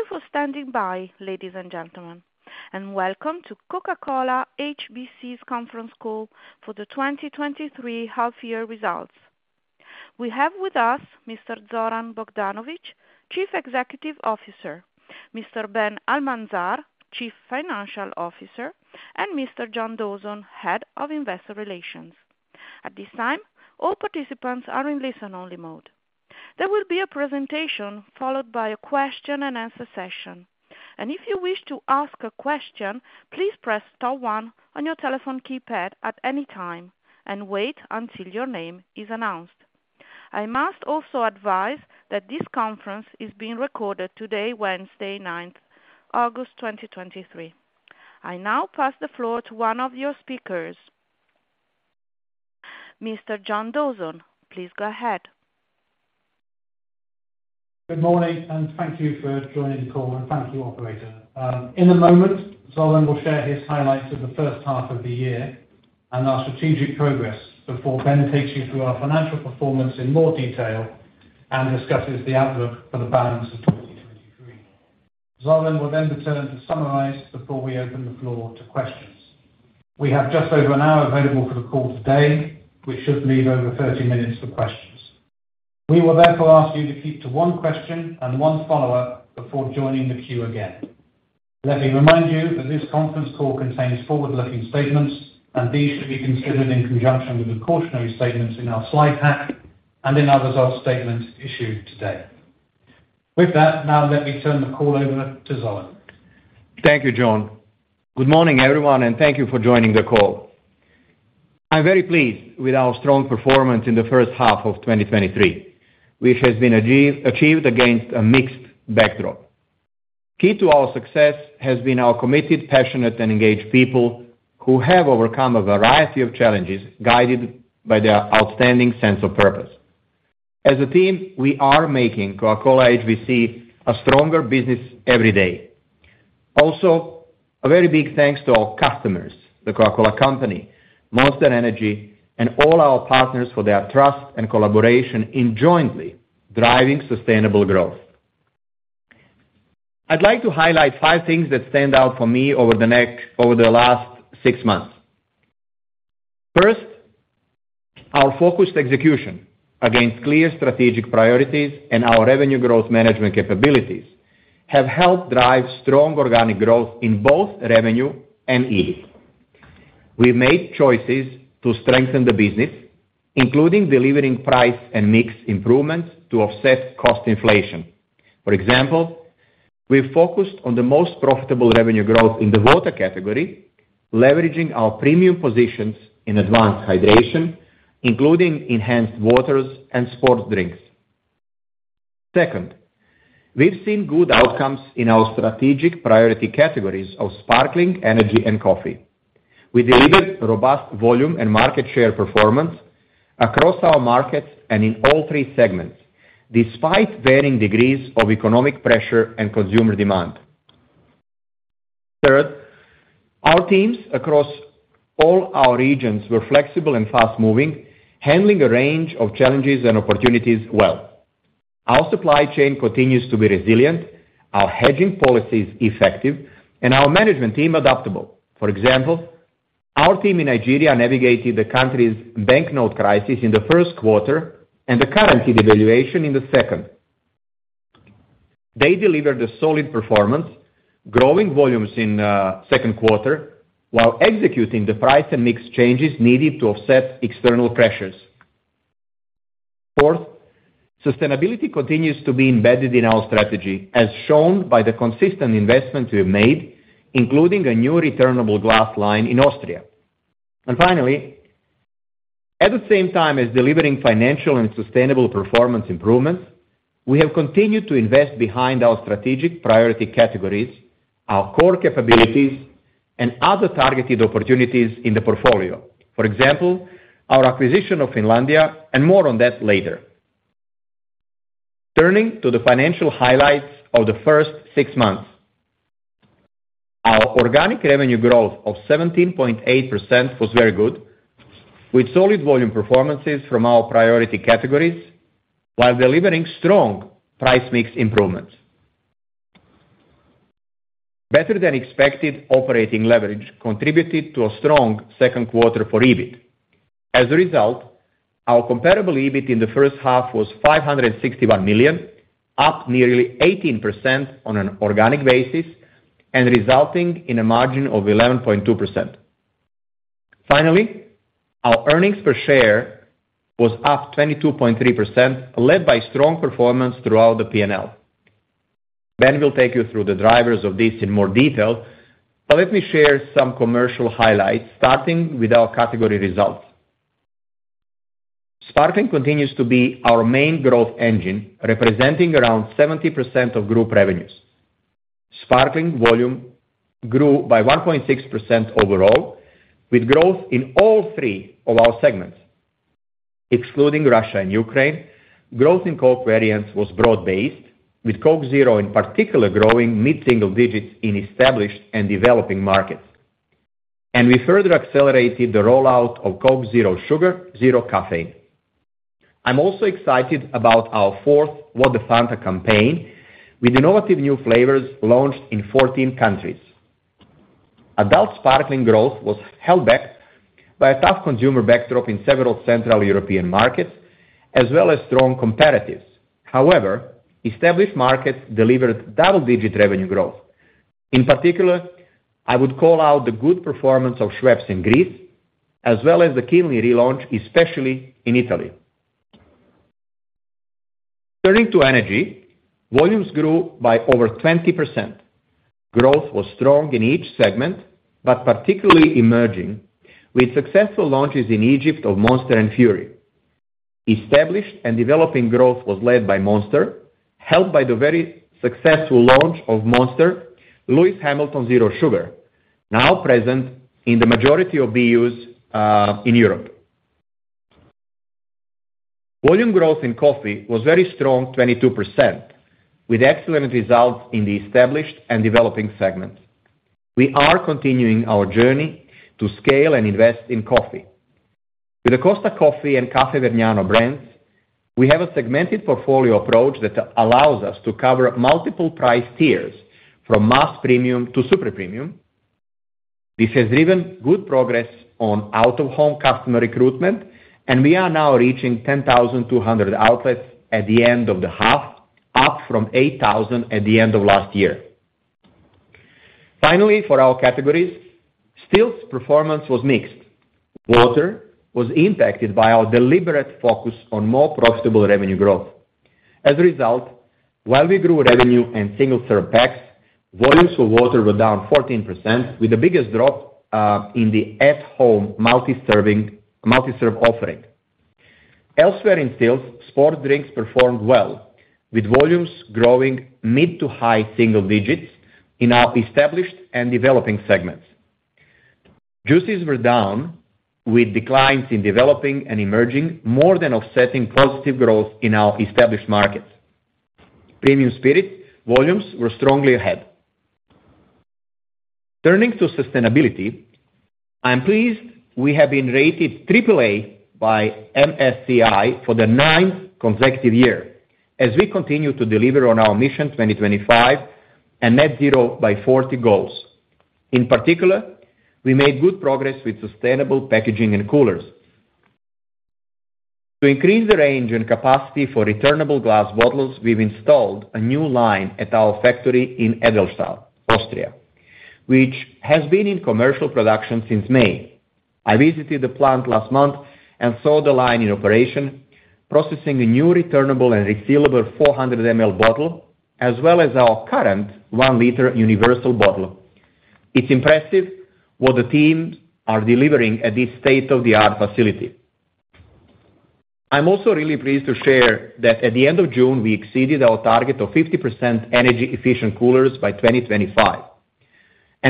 Thank you for standing by, ladies and gentlemen, and welcome to Coca-Cola HBC's conference call for the 2023 half-year results. We have with us Mr. Zoran Bogdanovic, Chief Executive Officer, Mr. Ben Almanzar, Chief Financial Officer, and Mr. John Dawson, Head of Investor Relations. At this time, all participants are in listen-only mode. There will be a presentation followed by a question and answer session, and if you wish to ask a question, please press star one on your telephone keypad at any time and wait until your name is announced. I must also advise that this conference is being recorded today, Wednesday, ninth August, 2023. I now pass the floor to one of your speakers, Mr. John Dawson. Please go ahead. Good morning, and thank you for joining the call, and thank you, operator. In a moment, Zoran will share his highlights of the first half of the year and our strategic progress before Ben takes you through our financial performance in more detail and discusses the outlook for the balance of 2023. Zoran will return to summarize before we open the floor to questions. We have just over an hour available for the call today, which should leave over 30 minutes for questions. We will therefore ask you to keep to one question and one follow-up before joining the queue again. Let me remind you that this conference call contains forward-looking statements. These should be considered in conjunction with the cautionary statements in our slide pack and in other results statements issued today. With that, now let me turn the call over to Zoran. Thank you, John. Good morning, everyone, and thank you for joining the call. I'm very pleased with our strong performance in the first half of 2023, which has been achieved against a mixed backdrop. Key to our success has been our committed, passionate, and engaged people who have overcome a variety of challenges, guided by their outstanding sense of purpose. As a team, we are making Coca-Cola HBC a stronger business every day. Also, a very big thanks to our customers, The Coca-Cola Company, Monster Energy, and all our partners for their trust and collaboration in jointly driving sustainable growth. I'd like to highlight five things that stand out for me over the last six months. First, our focused execution against clear strategic priorities and our revenue growth management capabilities have helped drive strong organic growth in both revenue and EBIT. We've made choices to strengthen the business, including delivering price and mix improvements to offset cost inflation. For example, we've focused on the most profitable revenue growth in the water category, leveraging our premium positions in advanced hydration, including enhanced waters and sports drinks. Second, we've seen good outcomes in our strategic priority categories of sparkling, energy, and coffee. We delivered robust volume and market share performance across our markets and in all three segments, despite varying degrees of economic pressure and consumer demand. Third, our teams across all our regions were flexible and fast-moving, handling a range of challenges and opportunities well. Our supply chain continues to be resilient, our hedging policies effective, and our management team adaptable. For example, our team in Nigeria navigated the country's banknote crisis in the first quarter and the currency devaluation in the second. They delivered a solid performance, growing volumes in second quarter while executing the price and mix changes needed to offset external pressures. Fourth, sustainability continues to be embedded in our strategy, as shown by the consistent investment we've made, including a new returnable glass line in Austria. Finally, at the same time as delivering financial and sustainable performance improvements, we have continued to invest behind our strategic priority categories, our core capabilities, and other targeted opportunities in the portfolio. For example, our acquisition of Finlandia, and more on that later. Turning to the financial highlights of the first six months. Our organic revenue growth of 17.8% was very good, with solid volume performances from our priority categories while delivering strong price mix improvements. Better than expected operating leverage contributed to a strong second quarter for EBIT. Our comparable EBIT in the first half was 561 million, up nearly 18% on an organic basis and resulting in a margin of 11.2%. Our earnings per share was up 22.3%, led by strong performance throughout the P&L. Ben will take you through the drivers of this in more detail, let me share some commercial highlights, starting with our category results. Sparkling continues to be our main growth engine, representing around 70% of Group revenues. Sparkling volume grew by 1.6% overall, with growth in all three of our segments. Excluding Russia and Ukraine, growth in Coke variants was broad-based, with Coke Zero in particular growing mid-single digits in Established and Developing markets. We further accelerated the rollout of Coke Zero Sugar, Zero Caffeine. I'm also excited about our fourth What the Fanta campaign, with innovative new flavors launched in 14 countries. Adult Sparkling growth was held back by a tough consumer backdrop in several Central European markets, as well as strong competitors. However, Established markets delivered double-digit revenue growth. In particular, I would call out the good performance of Schweppes in Greece, as well as the Kinley relaunch, especially in Italy. Turning to Energy, volumes grew by over 20%. Growth was strong in each segment, but particularly Emerging, with successful launches in Egypt of Monster and Fury. Established and Developing growth was led by Monster, helped by the very successful launch of Monster Lewis Hamilton Zero Sugar, now present in the majority of the U.S., in Europe. Volume growth in Coffee was very strong, 22%, with excellent results in the Established and Developing segments. We are continuing our journey to scale and invest in Coffee. With the Costa Coffee and Caffè Vergnano brands, we have a segmented portfolio approach that allows us to cover multiple price tiers, from mass premium to super premium. This has driven good progress on out-of-home customer recruitment, and we are now reaching 10,200 outlets at the end of the half, up from 8,000 at the end of last year. Finally, for our categories, Stills performance was mixed. Water was impacted by our deliberate focus on more profitable revenue growth. As a result, while we grew revenue and single-serve packs, volumes of Water were down 14%, with the biggest drop in the at-home multi-serve offering. Elsewhere in Stills, Sports drinks performed well, with volumes growing mid to high single digits in our Established and Developing segments. Juices were down with declines in developing and emerging, more than offsetting positive growth in our Established markets. Premium spirit volumes were strongly ahead. Turning to sustainability, I am pleased we have been rated AAA by MSCI for the ninth consecutive year as we continue to deliver on our Mission 2025 and Net Zero by 40 goals. In particular, we made good progress with sustainable packaging and coolers. To increase the range and capacity for returnable glass bottles, we've installed a new line at our factory in Edelstal, Austria, which has been in commercial production since May. I visited the plant last month and saw the line in operation, processing the new returnable and refillable 400 ml bottle, as well as our current 1 liter universal bottle. It's impressive what the teams are delivering at this state-of-the-art facility. I'm also really pleased to share that at the end of June, we exceeded our target of 50% energy-efficient coolers by 2025.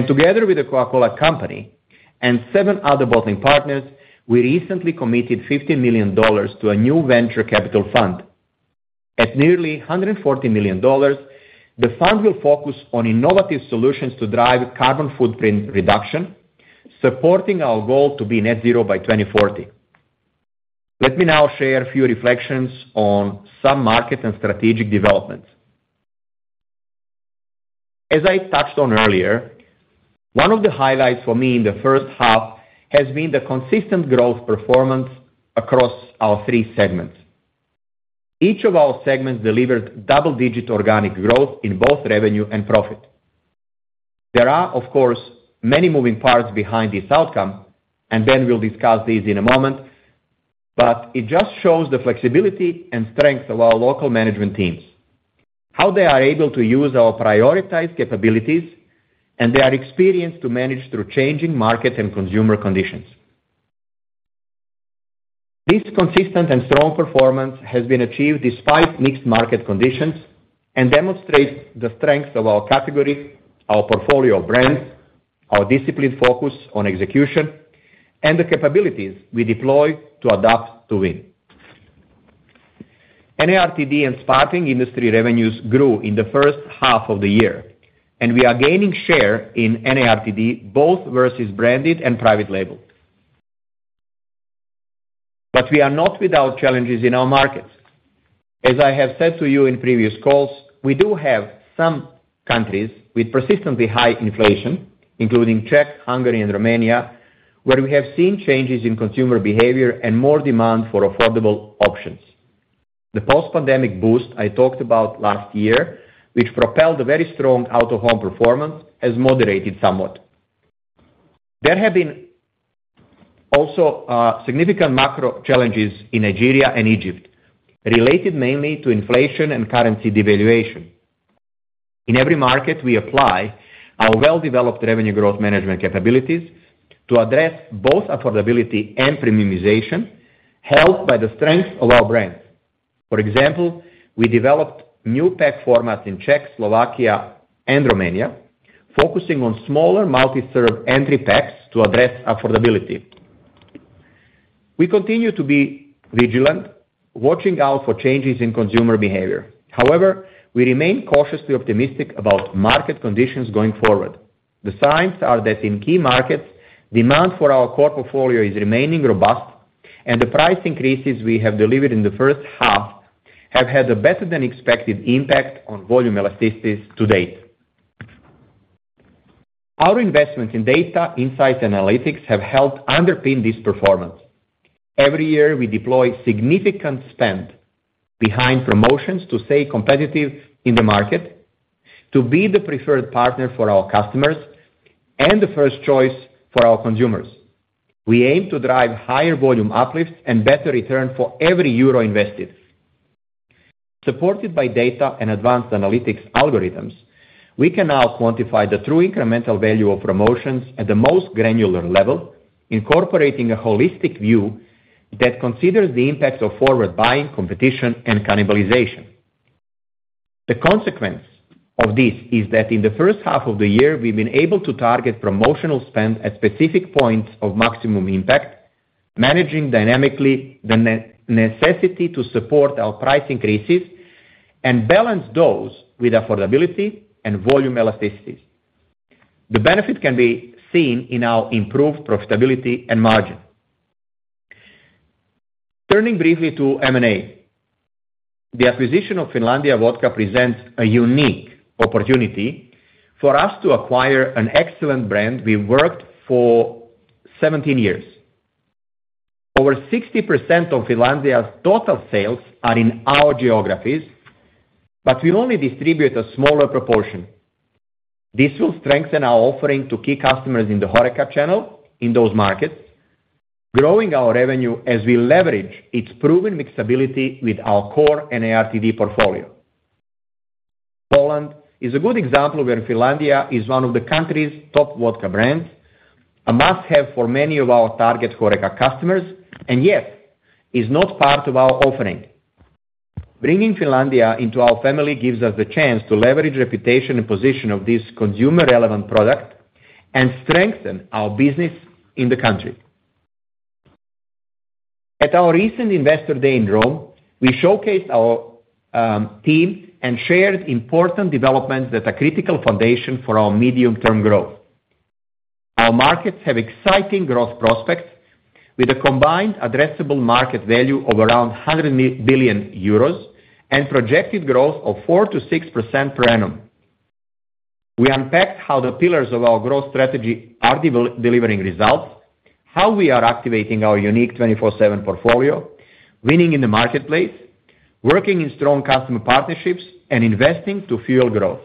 Together with The Coca-Cola Company and seven other bottling partners, we recently committed $15 million to a new venture capital fund. At nearly $140 million, the fund will focus on innovative solutions to drive carbon footprint reduction, supporting our goal to be Net Zero by 2040. Let me now share a few reflections on some market and strategic developments. As I touched on earlier, one of the highlights for me in the first half has been the consistent growth performance across our three segments. Each of our segments delivered double-digit organic growth in both revenue and profit. There are, of course, many moving parts behind this outcome, and then we'll discuss these in a moment, but it just shows the flexibility and strength of our local management teams, how they are able to use our prioritized capabilities, and they are experienced to manage through changing market and consumer conditions. This consistent and strong performance has been achieved despite mixed market conditions and demonstrates the strength of our category, our portfolio of brands, our disciplined focus on execution, and the capabilities we deploy to adapt to win. NARTD and Sparkling industry revenues grew in the first half of the year, and we are gaining share in NARTD, both versus branded and private label. We are not without challenges in our markets. I have said to you in previous calls, we do have some countries with persistently high inflation, including Czech, Hungary, and Romania, where we have seen changes in consumer behavior and more demand for affordable options. The post-pandemic boost I talked about last year, which propelled a very strong out-of-home performance, has moderated somewhat. There have been also significant macro challenges in Nigeria and Egypt, related mainly to inflation and currency devaluation. In every market, we apply our well-developed revenue growth management capabilities to address both affordability and premiumisation, helped by the strength of our brands. For example, we developed new pack formats in Czech, Slovakia, and Romania, focusing on smaller multi-serve entry packs to address affordability. We continue to be vigilant, watching out for changes in consumer behavior. We remain cautiously optimistic about market conditions going forward. The signs are that in key markets, demand for our core portfolio is remaining robust, and the price increases we have delivered in the first half have had a better than expected impact on volume elasticities to date. Our investment in data, insights, analytics have helped underpin this performance. Every year, we deploy significant spend behind promotions to stay competitive in the market, to be the preferred partner for our customers, and the first choice for our consumers. We aim to drive higher volume uplifts and better return for every euro invested. Supported by data and advanced analytics algorithms, we can now quantify the true incremental value of promotions at the most granular level, incorporating a holistic view that considers the impacts of forward buying, competition, and cannibalization. The consequence of this is that in the first half of the year, we've been able to target promotional spend at specific points of maximum impact, managing dynamically the necessity to support our price increases and balance those with affordability and volume elasticities. The benefit can be seen in our improved profitability and margin. Turning briefly to M&A. The acquisition of Finlandia Vodka presents a unique opportunity for us to acquire an excellent brand we worked for 17 years. Over 60% of Finlandia's total sales are in our geographies, but we only distribute a smaller proportion. This will strengthen our offering to key customers in the HoReCa channel in those markets, growing our revenue as we leverage its proven mixability with our core and ARTD portfolio. Poland is a good example where Finlandia is one of the country's top vodka brands, a must-have for many of our target HoReCa customers, and yet is not part of our offering. Bringing Finlandia into our family gives us the chance to leverage reputation and position of this consumer-relevant product and strengthen our business in the country. At our recent Investor Day in Rome, we showcased our team and shared important developments that are critical foundation for our medium-term growth. Our markets have exciting growth prospects with a combined addressable market value of around 100 billion euros and projected growth of 4%-6% per annum. We unpacked how the pillars of our growth strategy are delivering results, how we are activating our unique 24/7 portfolio, winning in the marketplace, working in strong customer partnerships, and investing to fuel growth.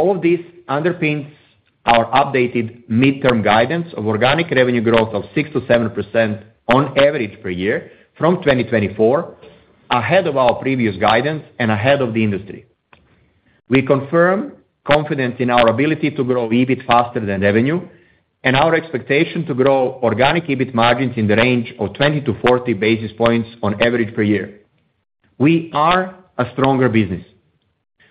All of this underpins our updated midterm guidance of organic revenue growth of 6%-7% on average per year from 2024, ahead of our previous guidance and ahead of the industry. We confirm confidence in our ability to grow EBIT faster than revenue, and our expectation to grow organic EBIT margins in the range of 20-40 basis points on average per year. We are a stronger business.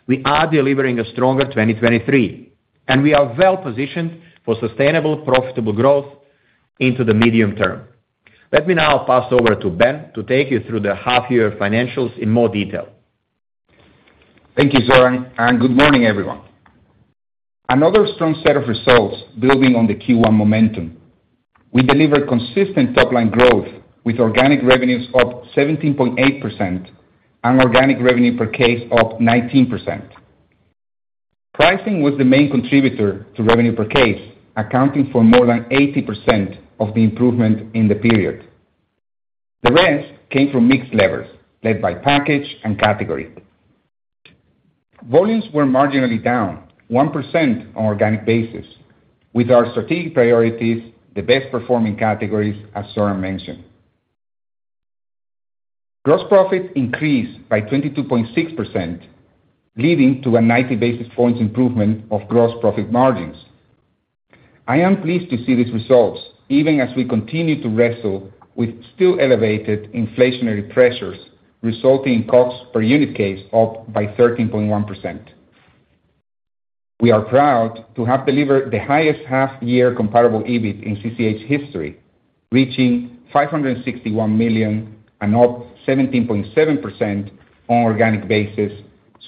We are delivering a stronger 2023, and we are well positioned for sustainable, profitable growth into the medium term. Let me now pass over to Ben to take you through the half year financials in more detail. Thank you, Zoran, and good morning, everyone. Another strong set of results building on the Q1 momentum. We delivered consistent top-line growth with organic revenues up 17.8% and organic revenue per case up 19%. Pricing was the main contributor to revenue per case, accounting for more than 80% of the improvement in the period. The rest came from mixed levels, led by package and category. Volumes were marginally down 1% on organic basis, with our strategic priorities, the best performing categories, as Zoran mentioned. Gross profit increased by 22.6%, leading to a 90 basis points improvement of gross profit margins. I am pleased to see these results, even as we continue to wrestle with still elevated inflationary pressures, resulting in costs per unit case up by 13.1%. We are proud to have delivered the highest half year comparable EBIT in CCH history, reaching €561 million and up 17.7% on organic basis,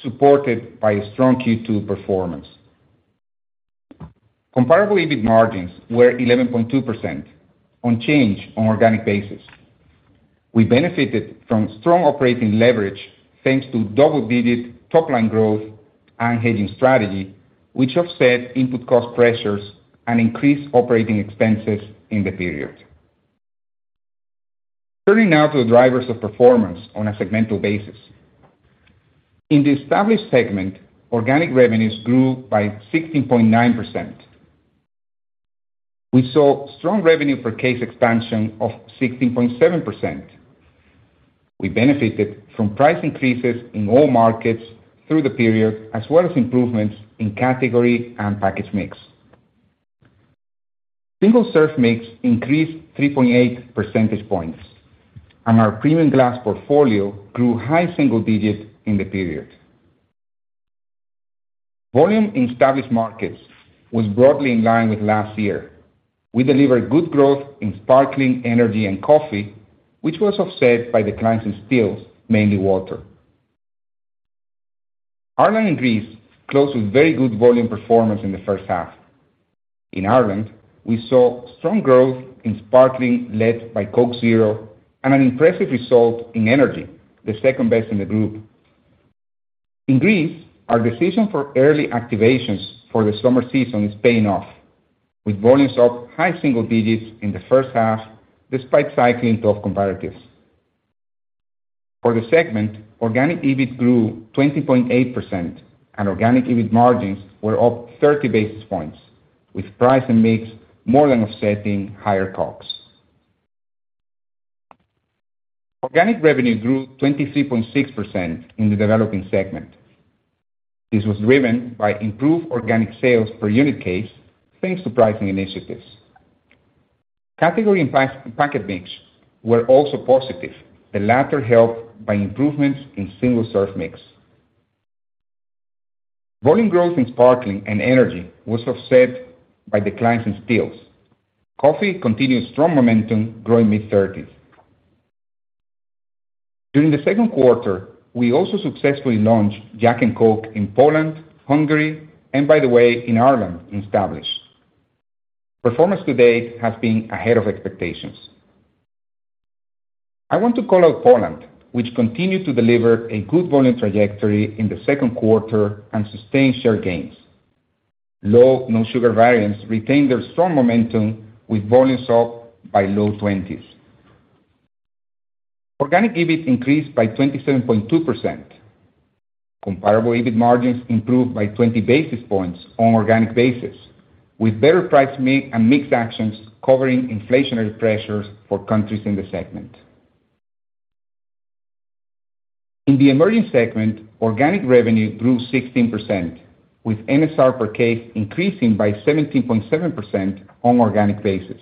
supported by a strong Q2 performance. Comparably, EBIT margins were 11.2% on change on organic basis. We benefited from strong operating leverage, thanks to double-digit top-line growth and hedging strategy, which offset input cost pressures and increased operating expenses in the period. Turning now to the drivers of performance on a segmental basis. In the Established segment, organic revenues grew by 16.9%. We saw strong revenue per case expansion of 16.7%. We benefited from price increases in all markets through the period, as well as improvements in category and package mix. Single-serve mix increased 3.8 percentage points. Our premium glass portfolio grew high single digits in the period. Volume in Established markets was broadly in line with last year. We delivered good growth in Sparkling, Energy, and Coffee, which was offset by declines in stills, mainly Water. Ireland and Greece closed with very good volume performance in the first half. In Ireland, we saw strong growth in Sparkling, led by Coke Zero, and an impressive result in Energy, the second best in the group. In Greece, our decision for early activations for the summer season is paying off, with volumes up high single digits in the first half, despite cycling tough comparatives. For the segment, organic EBIT grew 20.8%, and organic EBIT margins were up 30 basis points, with price and mix more than offsetting higher COGS. Organic revenue grew 23.6% in the Developing segment. This was driven by improved organic sales per unit case, thanks to pricing initiatives. Category and packet mix were also positive, the latter helped by improvements in single-serve mix. Volume growth in Sparkling and Energy was offset by declines in Stills. Coffee continued strong momentum, growing mid-30s. During the second quarter, we also successfully launched Jack and Coke in Poland, Hungary, and by the way, in Ireland, Established. Performance to date has been ahead of expectations. I want to call out Poland, which continued to deliver a good volume trajectory in the second quarter and sustained share gains. Low/no sugar variants retained their strong momentum with volumes up by low-20s. Organic EBIT increased by 27.2%. Comparable EBIT margins improved by 20 basis points on organic basis, with better price and mix actions covering inflationary pressures for countries in the segment. In the Emerging segment, organic revenue grew 16%, with MSR per case increasing by 17.7% on organic basis.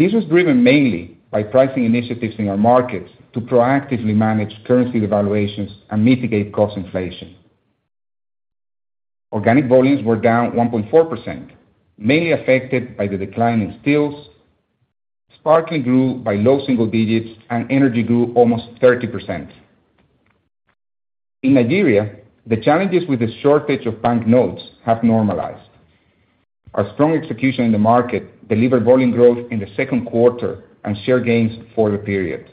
This was driven mainly by pricing initiatives in our markets to proactively manage currency devaluations and mitigate cost inflation. Organic volumes were down 1.4%, mainly affected by the decline in Stills. Sparkling grew by low single digits and Energy grew almost 30%. In Nigeria, the challenges with the shortage of banknotes have normalized. Our strong execution in the market delivered volume growth in the second quarter and share gains for the period,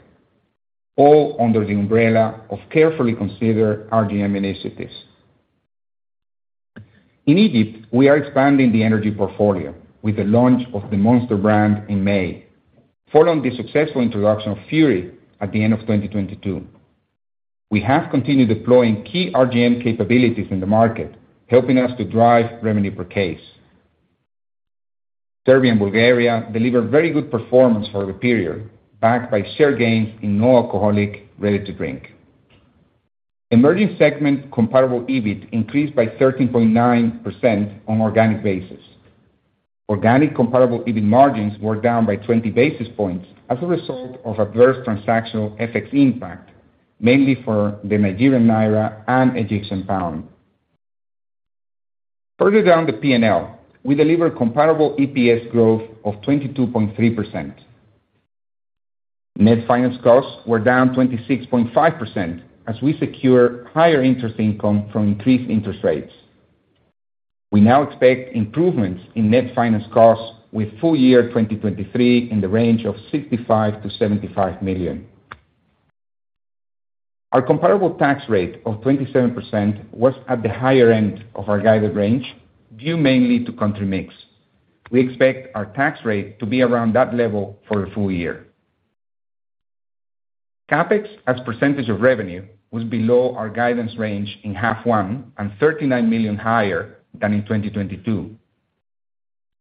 all under the umbrella of carefully considered RGM initiatives. In Egypt, we are expanding the Energy portfolio with the launch of the Monster brand in May, following the successful introduction of Fury at the end of 2022. We have continued deploying key RGM capabilities in the market, helping us to drive revenue per case. Serbia and Bulgaria delivered very good performance for the period, backed by share gains in no alcoholic, ready to drink. Emerging segment comparable EBIT increased by 13.9% on organic basis. Organic comparable EBIT margins were down by 20 basis points as a result of adverse transactional FX impact, mainly for the Nigerian naira and Egyptian pound. Further down the P&L, we delivered comparable EPS growth of 22.3%. Net finance costs were down 26.5%, as we secure higher interest income from increased interest rates. We now expect improvements in net finance costs with full year 2023 in the range of 65 million-75 million. Our comparable tax rate of 27% was at the higher end of our guided range, due mainly to country mix. We expect our tax rate to be around that level for the full year. CapEx, as percentage of revenue, was below our guidance range in half one and 39 million higher than in 2022.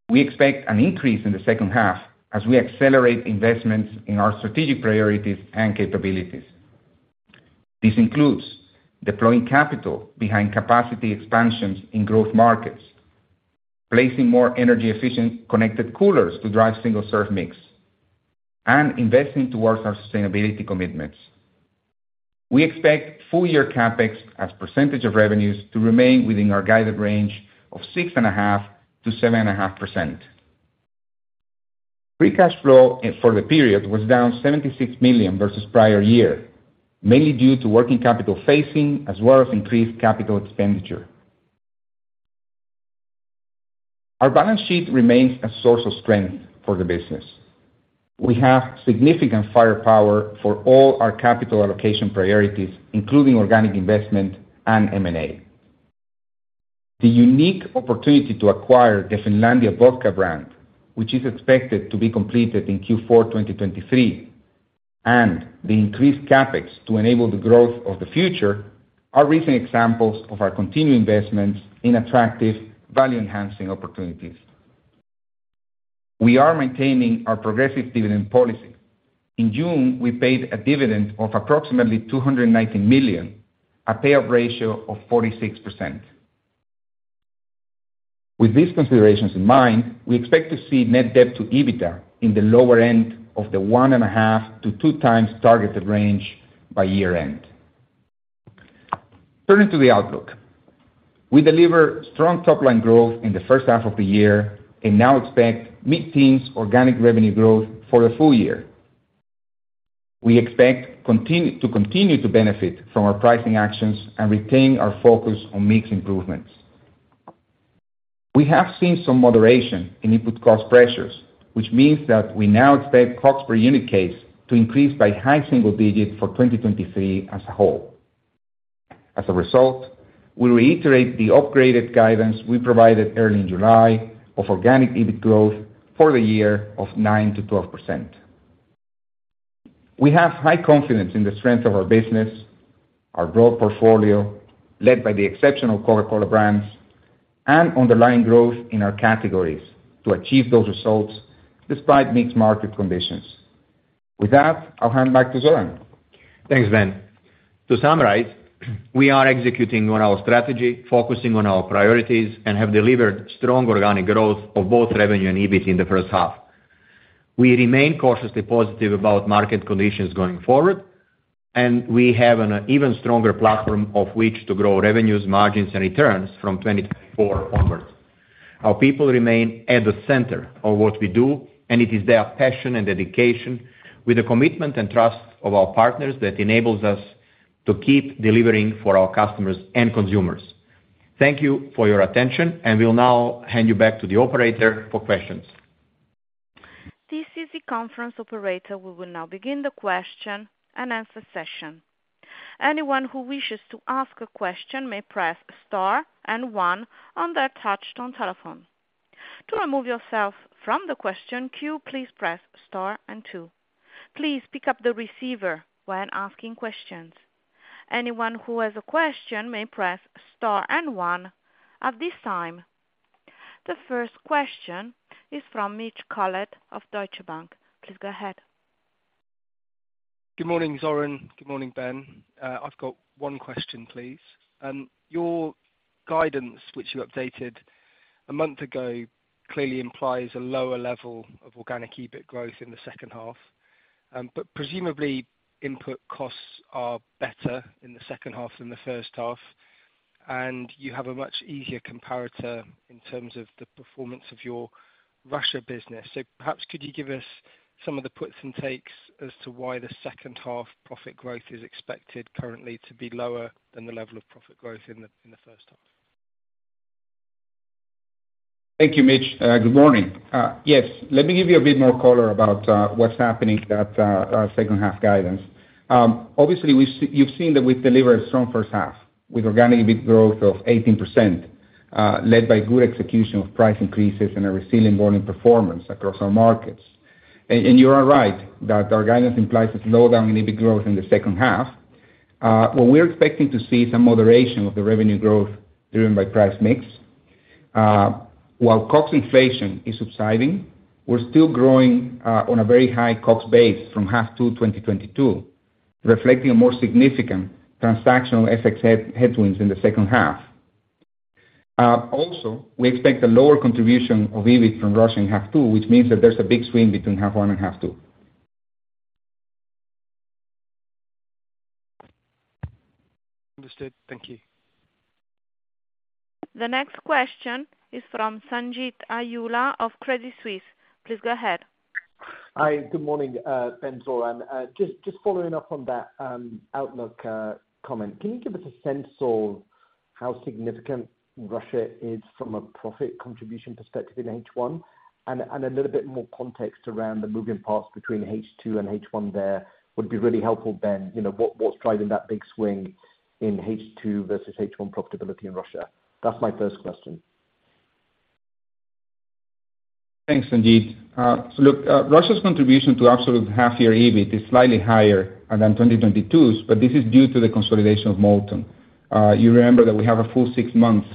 We expect an increase in the second half as we accelerate investments in our strategic priorities and capabilities. This includes deploying capital behind capacity expansions in growth markets, placing more energy-efficient connected coolers to drive single-serve mix, and investing towards our sustainability commitments. We expect full year CapEx, as percentage of revenues, to remain within our guided range of 6.5%-7.5%. Free cash flow for the period was down 76 million versus prior year, mainly due to working capital phasing, as well as increased capital expenditure. Our balance sheet remains a source of strength for the business. We have significant firepower for all our capital allocation priorities, including organic investment and M&A. The unique opportunity to acquire the Finlandia Vodka brand, which is expected to be completed in Q4 2023, and the increased CapEx to enable the growth of the future, are recent examples of our continued investments in attractive, value-enhancing opportunities. We are maintaining our progressive dividend policy. In June, we paid a dividend of approximately 219 million, a payout ratio of 46%. With these considerations in mind, we expect to see net debt to EBITDA in the lower end of the 1.5x-2x targeted range by year-end. Turning to the outlook. We delivered strong top-line growth in the first half of the year and now expect mid-teens organic revenue growth for the full year. We expect to continue to benefit from our pricing actions and retain our focus on mix improvements. We have seen some moderation in input cost pressures, which means that we now expect COGS per unit case to increase by high single digits for 2023 as a whole. As a result, we reiterate the upgraded guidance we provided early in July of organic EBIT growth for the year of 9%-12%. We have high confidence in the strength of our business, our growth portfolio, led by the exceptional Coca-Cola brands, and underlying growth in our categories to achieve those results despite mixed market conditions. With that, I'll hand back to Zoran. Thanks, Ben. To summarize, we are executing on our strategy, focusing on our priorities, and have delivered strong organic growth of both revenue and EBIT in the first half. We remain cautiously positive about market conditions going forward, and we have an even stronger platform of which to grow revenues, margins, and returns from 2024 onwards. Our people remain at the center of what we do, and it is their passion and dedication, with the commitment and trust of our partners, that enables us to keep delivering for our customers and consumers. Thank you for your attention, and we'll now hand you back to the operator for questions. This is the conference operator. We will now begin the question and answer session. Anyone who wishes to ask a question may press star and one on their touchtone telephone. To remove yourself from the question queue, please press star and two. Please pick up the receiver when asking questions. Anyone who has a question may press star and one. At this time, the first question is from Mitch Collet of Deutsche Bank. Please go ahead. Good morning, Zoran. Good morning, Ben. I've got one question, please. Your guidance, which you updated a month ago, clearly implies a lower level of organic EBIT growth in the second half. Presumably, input costs are better in the second half than the first half, and you have a much easier comparator in terms of the performance of your Russia business. Perhaps could you give us some of the puts and takes as to why the second half profit growth is expected currently to be lower than the level of profit growth in the, in the first half? Thank you, Mitch. Good morning. Yes, let me give you a bit more color about what's happening with that, our second half guidance. Obviously, we've s- you've seen that we've delivered a strong first half, with organic EBIT growth of 18%, led by good execution of price increases and a resilient volume performance across our markets. You are right that our guidance implies a slowdown in EBIT growth in the second half. What we're expecting to see some moderation of the revenue growth driven by price mix. While COGS inflation is subsiding, we're still growing on a very high COGS base from half 2 2022, reflecting a more significant transactional FX headwinds in the second half. Also, we expect a lower contribution of EBIT from Russia in half two, which means that there's a big swing between half one and half two. Understood. Thank you. The next question is from Sanjeet Aujla of Credit Suisse. Please go ahead. Hi, good morning, Ben, Zoran. Just, just following up on that, outlook, comment. Can you give us a sense of how significant Russia is from a profit contribution perspective in H1? A little bit more context around the moving parts between H2 and H1 there would be really helpful, Ben. You know, what, what's driving that big swing in H2 versus H1 profitability in Russia? That's my first question. Thanks, Sanjit. Russia's contribution to absolute half-year EBIT is slightly higher than 2022's, but this is due to the consolidation of Multon. You remember that we have a full six months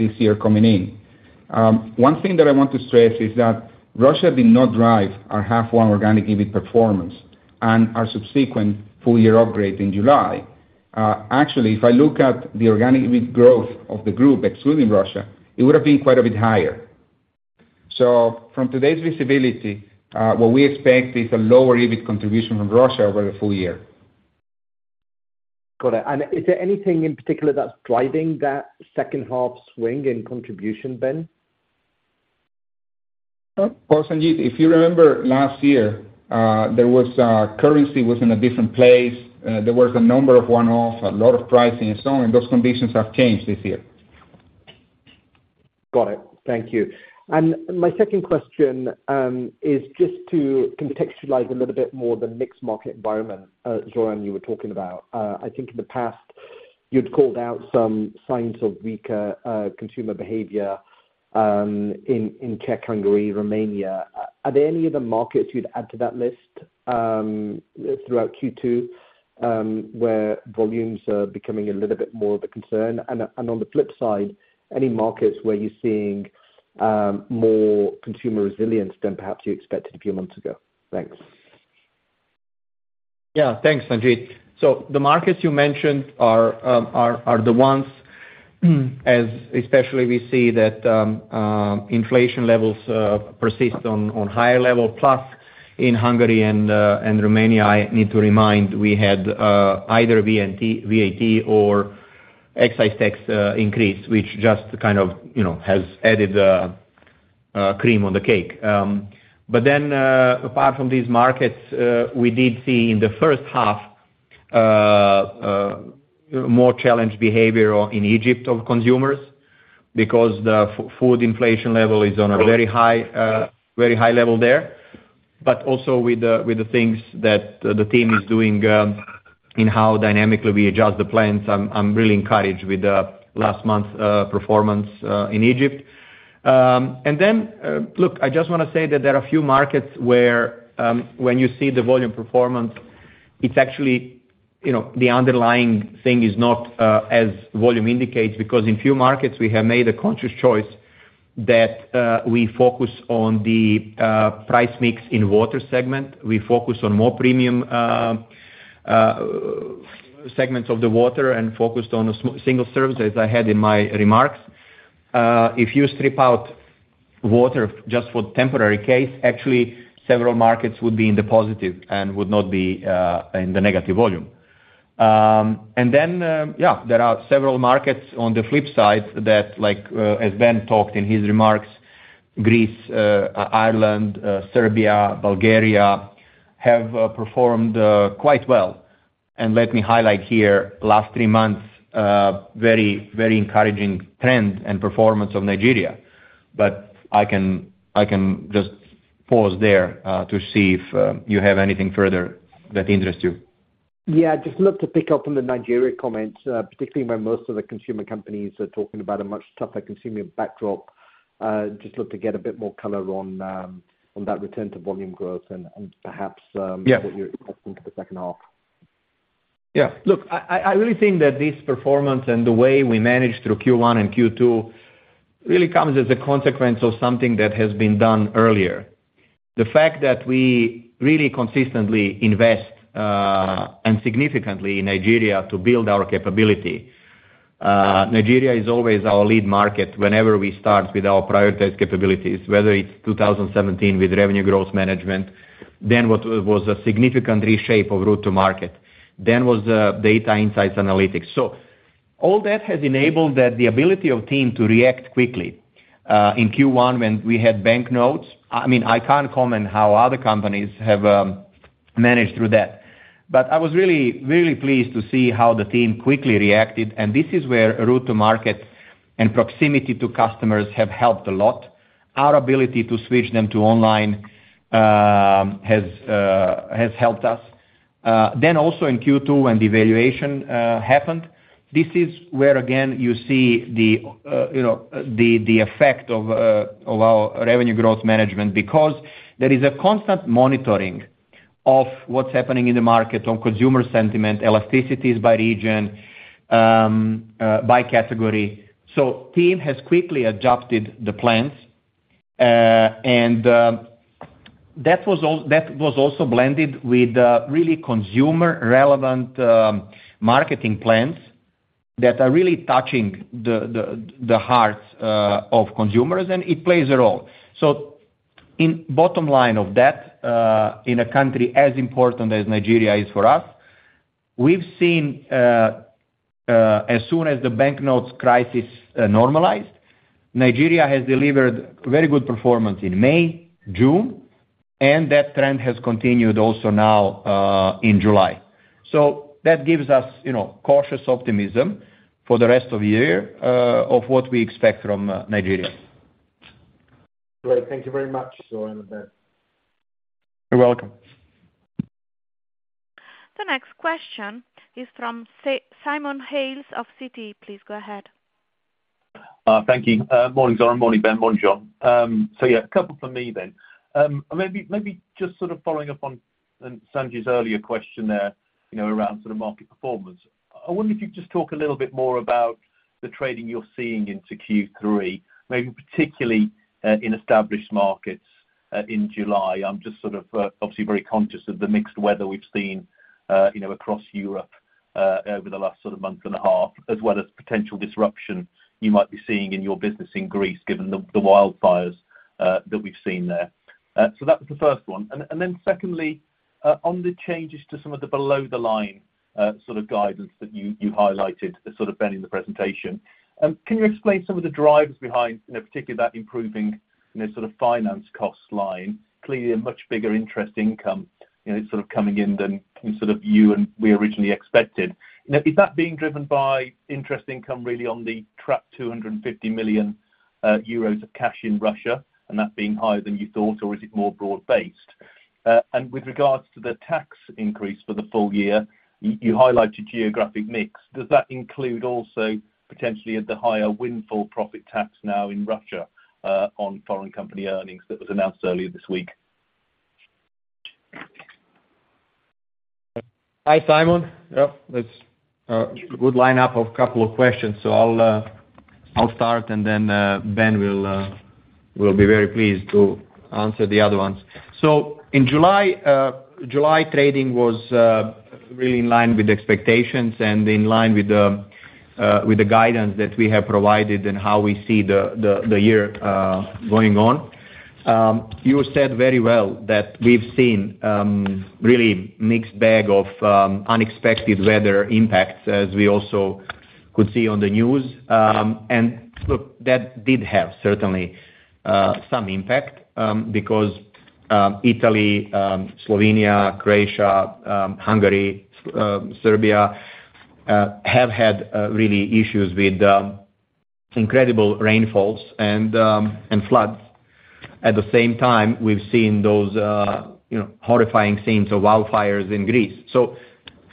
this year coming in. One thing that I want to stress is that Russia did not drive our H1 organic EBIT performance and our subsequent full year upgrade in July. Actually, if I look at the organic EBIT growth of the group, excluding Russia, it would have been quite a bit higher. From today's visibility, what we expect is a lower EBIT contribution from Russia over the full year. Got it. Is there anything in particular that's driving that second half swing in contribution, Ben? Well, of course, Sanjit, if you remember last year, there was currency was in a different place. There was a number of one-off, a lot of pricing and so on, those conditions have changed this year. Got it. Thank you. My second question, is just to contextualize a little bit more the mixed market environment, Zoran, you were talking about. I think in the past, you'd called out some signs of weaker consumer behavior, in Czech, Hungary, Romania. Are there any other markets you'd add to that list, throughout Q2, where volumes are becoming a little bit more of a concern? On the flip side, any markets where you're seeing more consumer resilience than perhaps you expected a few months ago? Thanks. Yeah. Thanks, Sanjit. The markets you mentioned are the ones, as especially we see that inflation levels persist on higher level, plus in Hungary and Romania, I need to remind, we had either VAT or excise tax increase, which just kind of, you know, has added cream on the cake. Apart from these markets, we did see in the first half more challenged behavior in Egypt of consumers, because the food inflation level is on a very high, very high level there. Also with the things that the team is doing, in how dynamically we adjust the plans, I'm really encouraged with the last month performance in Egypt. Look, I just wanna say that there are a few markets where, when you see the volume performance, it's actually, you know, the underlying thing is not as volume indicates, because in few markets we have made a conscious choice that we focus on the price mix in Water segment. We focus on more premium segments of the Water and focused on a single service, as I had in my remarks. If you strip out Water just for temporary case, actually several markets would be in the positive and would not be in the negative volume. Yeah, there are several markets on the flip side that like, as Ben talked in his remarks, Greece, Ireland, Serbia, Bulgaria, have performed quite well. Let me highlight here, last three months, very, very encouraging trend and performance of Nigeria. I can, I can just pause there, to see if you have anything further that interests you. Yeah, just look to pick up on the Nigeria comments, particularly where most of the consumer companies are talking about a much tougher consumer backdrop. Just look to get a bit more color on, on that return to volume growth and, and perhaps, Yeah what you're expecting for the second half. Yeah. Look, I, I, I really think that this performance and the way we managed through Q1 and Q2 really comes as a consequence of something that has been done earlier. The fact that we really consistently invest and significantly in Nigeria to build our capability, Nigeria is always our lead market whenever we start with our prioritized capabilities, whether it's 2017 with revenue growth management, then what was a significant reshape of route to market, then was Data, Insights and Analytics. All that has enabled that the ability of team to react quickly in Q1 when we had banknotes, I mean, I can't comment how other companies have managed through that, but I was really, really pleased to see how the team quickly reacted, and this is where route to market and proximity to customers have helped a lot. Our ability to switch them to online has helped us. Also in Q2, when the valuation happened, this is where, again, you see, you know, the effect of our Revenue Growth Management because there is a constant monitoring of what's happening in the market, on consumer sentiment, elasticities by region, by category. Team has quickly adjusted the plans. That was also blended with really consumer-relevant marketing plans that are really touching the heart of consumers, and it plays a role. In bottom line of that, in a country as important as Nigeria is for us, we've seen, as soon as the banknotes crisis normalized, Nigeria has delivered very good performance in May, June, and that trend has continued also now in July. That gives us, you know, cautious optimism for the rest of the year, of what we expect from Nigeria. Great. Thank you very much, Zoran and Ben. You're welcome. The next question is from Simon Hales of Citi. Please go ahead. Thank you. Morning, Zoran, morning, Ben, morning, John. Yeah, a couple from me then. Maybe, maybe just following up on Sanjeev's earlier question there, you know, around market performance. I wonder if you could just talk a little bit more about the trading you're seeing into Q3, maybe particularly in Established markets in July. I'm just obviously very conscious of the mixed weather we've seen, you know, across Europe over the last month and a half, as well as potential disruption you might be seeing in your business in Greece, given the wildfires that we've seen there. That was the first one. Then secondly, on the changes to some of the below the line, sort of guidance that you, you highlighted, Ben, in the presentation, can you explain some of the drivers behind, you know, particularly that improving, you know, sort of finance cost line? Clearly a much bigger interest income, you know, sort of coming in than sort of you and we originally expected. Now, is that being driven by interest income really on the trapped 250 million euros of cash in Russia, and that being higher than you thought, or is it more broad-based? And with regards to the tax increase for the full year, you highlighted geographic mix. Does that include also potentially at the higher windfall profit tax now in Russia, on foreign company earnings that was announced earlier this week? Hi, Simon. Yeah, that's a good line up of a couple of questions. I'll start and then Ben will elaborate. We'll be very pleased to answer the other ones. In July, July trading was really in line with expectations and in line with the guidance that we have provided and how we see the year going on. You said very well that we've seen really mixed bag of unexpected weather impacts, as we also could see on the news. Look, that did have certainly some impact because Italy, Slovenia, Croatia, Hungary, Serbia have had really issues with incredible rainfalls and floods. At the same time, we've seen those, you know, horrifying scenes of wildfires in Greece.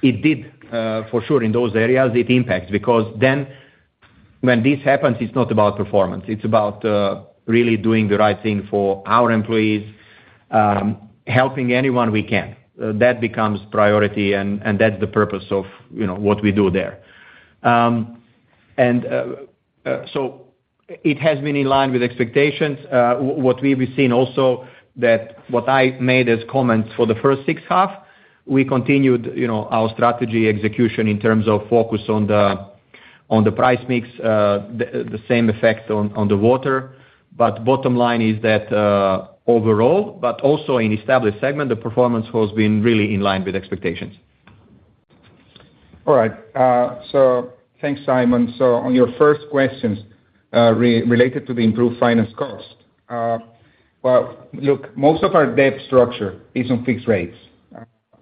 It did, for sure, in those areas, it impacts, because then when this happens, it's not about performance, it's about really doing the right thing for our employees, helping anyone we can. That becomes priority and, and that's the purpose of, you know, what we do there. It has been in line with expectations. What we've seen also that what I made as comments for the first six half, we continued, you know, our strategy execution in terms of focus on the, on the price mix, the, the same effect on, on the Water. Bottom line is that, overall, but also in Established markets, the performance has been really in line with expectations. All right. Thanks, Simon. On your first questions, related to the improved finance cost, well, look, most of our debt structure is on fixed rates.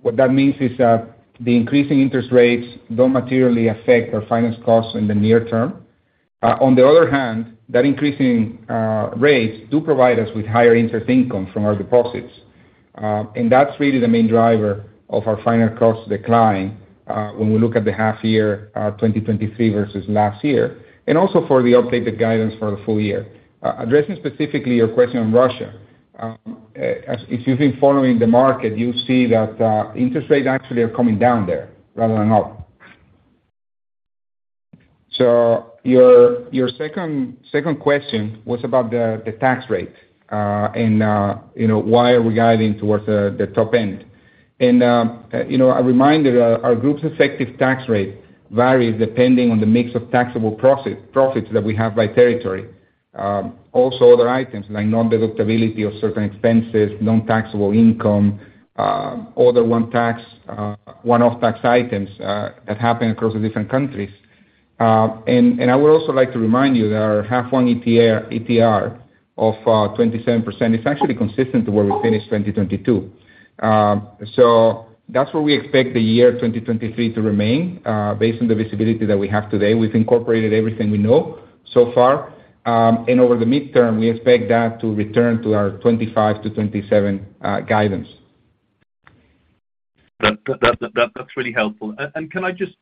What that means is that the increasing interest rates don't materially affect our finance costs in the near term. On the other hand, that increasing rates do provide us with higher interest income from our deposits, and that's really the main driver of our finance costs decline when we look at the half year 2023 versus last year, and also for the updated guidance for the full year. Addressing specifically your question on Russia, as if you've been following the market, you see that interest rates actually are coming down there rather than up. Your, your second, second question was about the, the tax rate, and, you know, why are we guiding towards the top end? You know, a reminder, our group's effective tax rate varies depending on the mix of taxable profits that we have by territory. Also other items like non-deductibility of certain expenses, non-taxable income, other one tax, one-off tax items that happen across the different countries. And I would also like to remind you that our half one ETR, ETR of 27% is actually consistent to where we finished 2022. That's where we expect the year 2023 to remain, based on the visibility that we have today. We've incorporated everything we know so far, and over the midterm, we expect that to return to our 25-27 guidance. That's really helpful. Can I just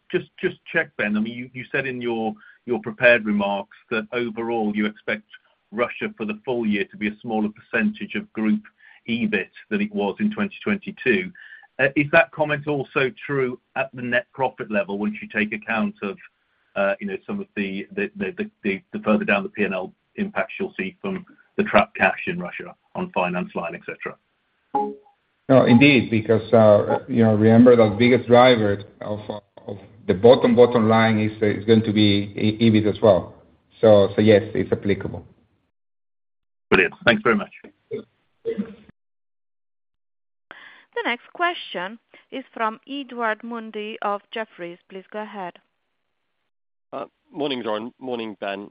check then? I mean, you said in your prepared remarks that overall you expect Russia for the full year to be a smaller percentage of group EBIT than it was in 2022. Is that comment also true at the net profit level, once you take account of, you know, some of the further down the P&L impacts you'll see from the trapped cash in Russia on finance line, et cetera? No, indeed, because, you know, remember, the biggest driver of the bottom line is going to be EBIT as well. Yes, it's applicable. Brilliant. Thanks very much. Thank you. The next question is from Edward Mundy of Jeffries. Please go ahead. Morning, Zoran. Morning, Ben.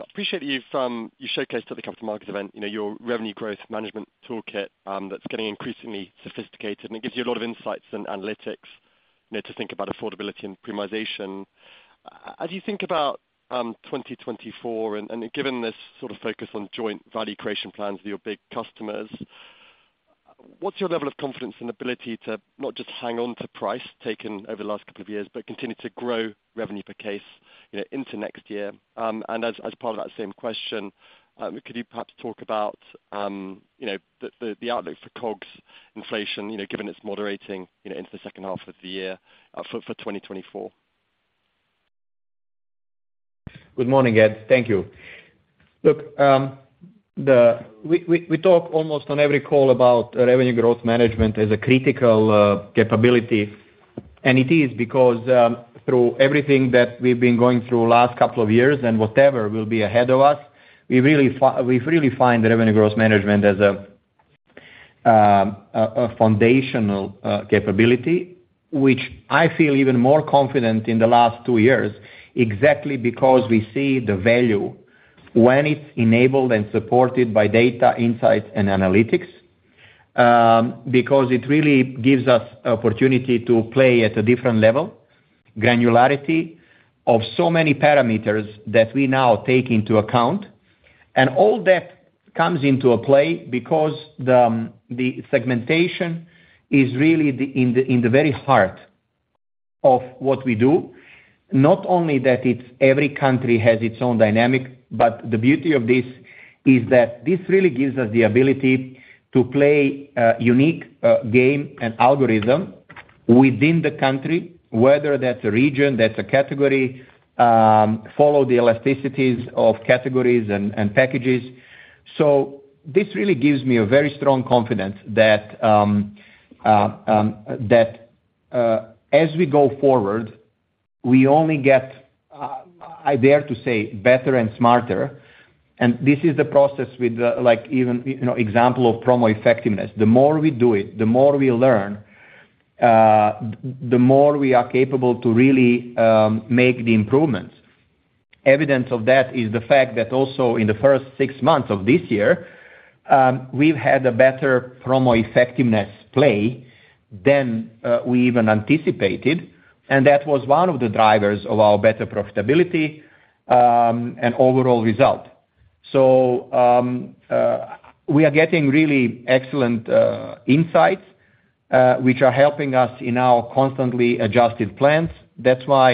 appreciate that you've, you showcased at the capital market event, you know, your revenue growth management toolkit, that's getting increasingly sophisticated, and it gives you a lot of insights and analytics, you know, to think about affordability and premiumization. As you think about 2024, and given this sort of focus on joint value creation plans with your big customers, what's your level of confidence and ability to not just hang on to price taken over the last couple of years, but continue to grow revenue per case, you know, into next year? And as, as part of that same question, could you perhaps talk about, you know, the outlook for COGS inflation, you know, given it's moderating, you know, into the second half of the year, for, for 2024? Good morning, Ed. Thank you. Look, we talk almost on every call about revenue growth management as a critical capability, and it is because, through everything that we've been going through last couple of years and whatever will be ahead of us, we really find the revenue growth management as a foundational capability, which I feel even more confident in the last two years, exactly because we see the value when it's enabled and supported by Data, Insights and Analytics. Because it really gives us opportunity to play at a different level, granularity of so many parameters that we now take into account, and all that comes into a play because the segmentation is really the in the very heart of what we do. Not only that it's every country has its own dynamic, the beauty of this is that this really gives us the ability to play a unique game and within the country, whether that's a region, that's a category, follow the elasticities of categories and packages. This really gives me a very strong confidence that as we go forward, we only get I dare to say, better and smarter. This is the process with the like, even, you know, example of promo effectiveness. The more we do it, the more we learn, the more we are capable to really make the improvements. Evidence of that is the fact that also in the first six months of this year, we've had a better promo effectiveness play than we even anticipated, and that was one of the drivers of our better profitability and overall result. We are getting really excellent insights which are helping us in our constantly adjusted plans. That's why,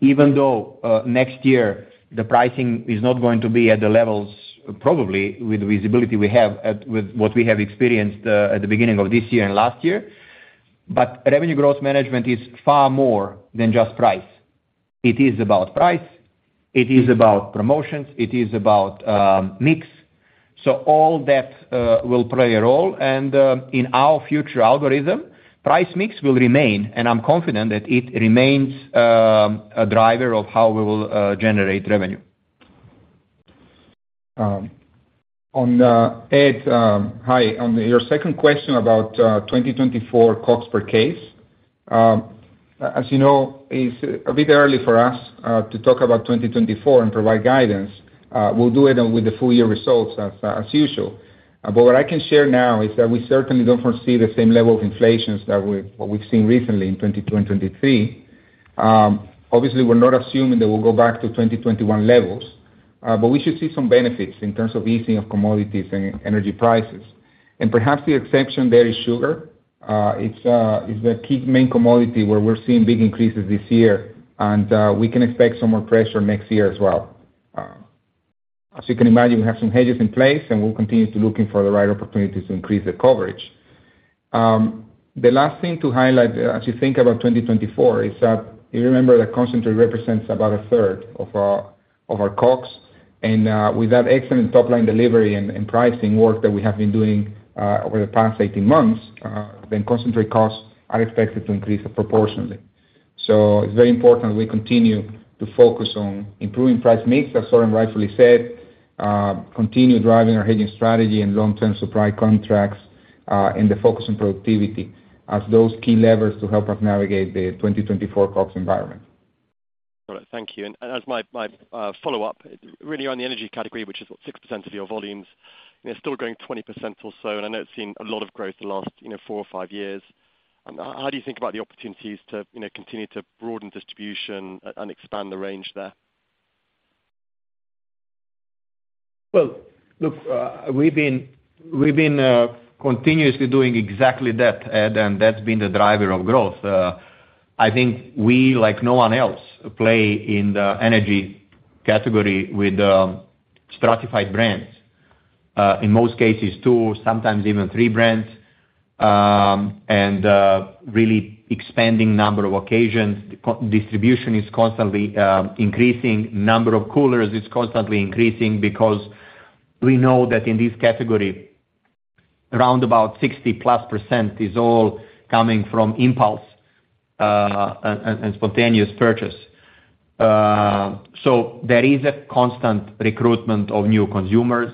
even though next year, the pricing is not going to be at the levels, probably with the visibility we have at, with what we have experienced at the beginning of this year and last year. Revenue growth management is far more than just price. It is about price, it is about promotions, it is about mix. All that will play a role. In our future algorithm, price mix will remain, and I'm confident that it remains, a driver of how we will generate revenue. Hi. On your second question about 2024 costs per case, as you know, it's a bit early for us to talk about 2024 and provide guidance. We'll do it with the full year results as, as usual. What I can share now is that we certainly don't foresee the same level of inflations that we've, we've seen recently in 2022 and 2023. Obviously, we're not assuming that we'll go back to 2021 levels, but we should see some benefits in terms of easing of commodities and energy prices. Perhaps the exception there is sugar. It's, it's the key main commodity where we're seeing big increases this year, and we can expect some more pressure next year as well. As you can imagine, we have some hedges in place, and we'll continue to looking for the right opportunities to increase the coverage. The last thing to highlight as you think about 2024 is that you remember that concentrate represents about a third of our, of our costs. With that excellent top-line delivery and pricing work that we have been doing over the past 18 months, then concentrate costs are expected to increase proportionately. It's very important we continue to focus on improving price mix, as Zoran rightfully said, continue driving our hedging strategy and long-term supply contracts, and the focus on productivity as those key levers to help us navigate the 2024 costs environment. All right. Thank you. As my, my follow-up, really on the Energy category, which is what, 6% of your volumes, you know, still growing 20% or so, and I know it's seen a lot of growth in the last, you know, four or five years. How do you think about the opportunities to, you know, continue to broaden distribution and expand the range there? Well, look, we've been, we've been continuously doing exactly that, Ed, and that's been the driver of growth. I think we, like no one else, play in the energy category with stratified brands. In most cases, two, sometimes even three brands, and really expanding number of occasions. Distribution is constantly increasing. Number of coolers is constantly increasing because we know that in this category, around about 60% plus is all coming from impulse and spontaneous purchase. So there is a constant recruitment of new consumers,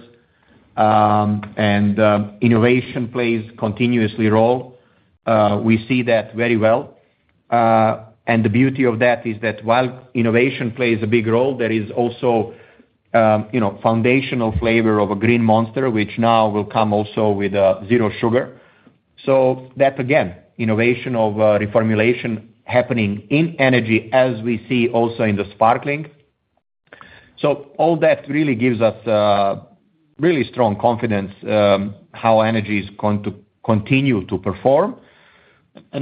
and innovation plays continuously role. We see that very well. And the beauty of that is that while innovation plays a big role, there is also, you know, foundational flavor of a green Monster, which now will come also with zero sugar. That, again, innovation of reformulation happening in Energy as we see also in the Sparkling. All that really gives us really strong confidence how Energy is going to continue to perform.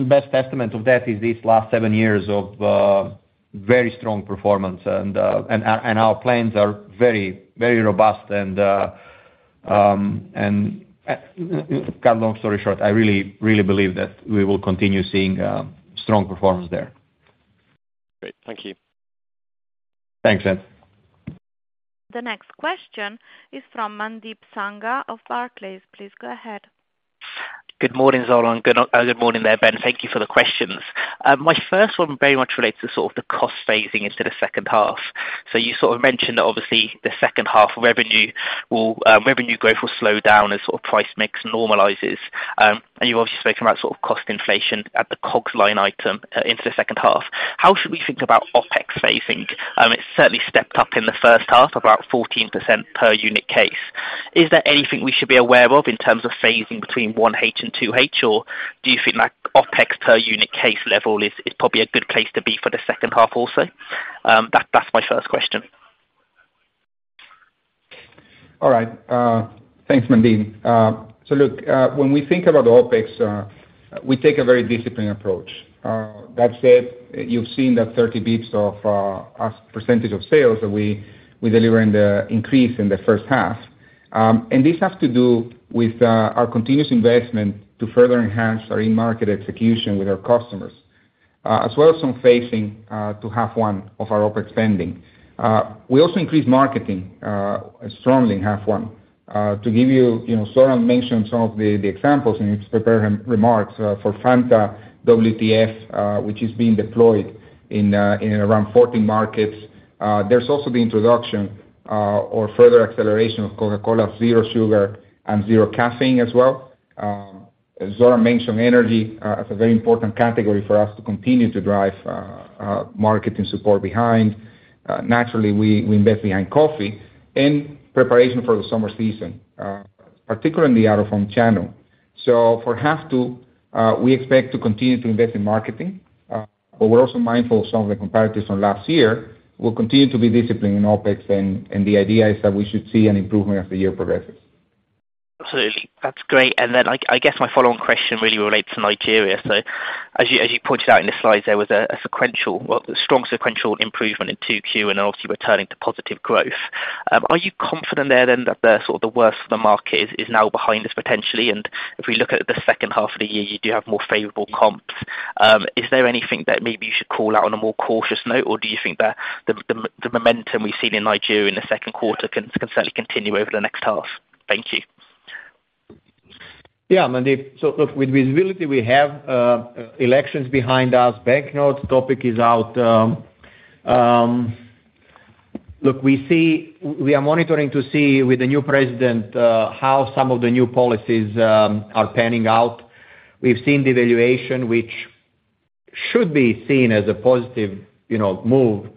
Best testament of that is these last seven years of very strong performance, and, and our plans are very, very robust and cut long story short, I really, really believe that we will continue seeing strong performance there. Great. Thank you. Thanks, Ed. The next question is from Mandip Sangha of Barclays. Please go ahead. Good morning, Zoran. Good morning there, Ben. Thank you for the questions. My first one very much relates to sort of the cost phasing into the second half. You sort of mentioned that obviously, the second half revenue growth will slow down as sort of price mix normalizes. You've obviously spoken about sort of cost inflation at the COGS line item into the second half. How should we think about OpEx phasing? It's certainly stepped up in the first half, about 14% per unit case. Is there anything we should be aware of in terms of phasing between 1H and 2H, or do you feel like OpEx per unit case level is probably a good place to be for the second half also? That's my first question. All right. thanks, Mandip. Look, when we think about the OpEx, we take a very disciplined approach. That said, you've seen that 30 basis points of as percentage of sales that we deliver in the increase in the first half. This has to do with our continuous investment to further enhance our in-market execution with our customers, as well as some phasing to half one of our OpEx spending. We also increased marketing strongly in half one. To give you, you know, Zoran mentioned some of the examples in his prepared remarks, for What the Fanta, which is being deployed in around 14 markets. There's also the introduction or further acceleration of Coca-Cola Zero Sugar and Zero Caffeine as well. As Zoran mentioned, energy is a very important category for us to continue to drive marketing support behind. Naturally, we, we invest behind coffee in preparation for the summer season, particularly in the out-of-home channel. For half two, we expect to continue to invest in marketing, but we're also mindful of some of the comparatives from last year will continue to be disciplined in OpEx, and the idea is that we should see an improvement as the year progresses. Absolutely. That's great. Like, I guess my follow-on question really relates to Nigeria. As you, as you pointed out in the slides, there was a, a sequential, well, a strong sequential improvement in Q2 and obviously returning to positive growth. Are you confident there then that the sort of the worst of the market is, is now behind us potentially? If we look at the second half of the year, you do have more favorable comps. Is there anything that maybe you should call out on a more cautious note, or do you think that the, the, the momentum we've seen in Nigeria in the second quarter can, can certainly continue over the next half? Thank you. Yeah, Mandeep. Look, with visibility, we have elections behind us. Banknote topic is out. Look, we see. We are monitoring to see with the new president how some of the new policies are panning out. We've seen the evaluation, which should be seen as a positive, you know, move,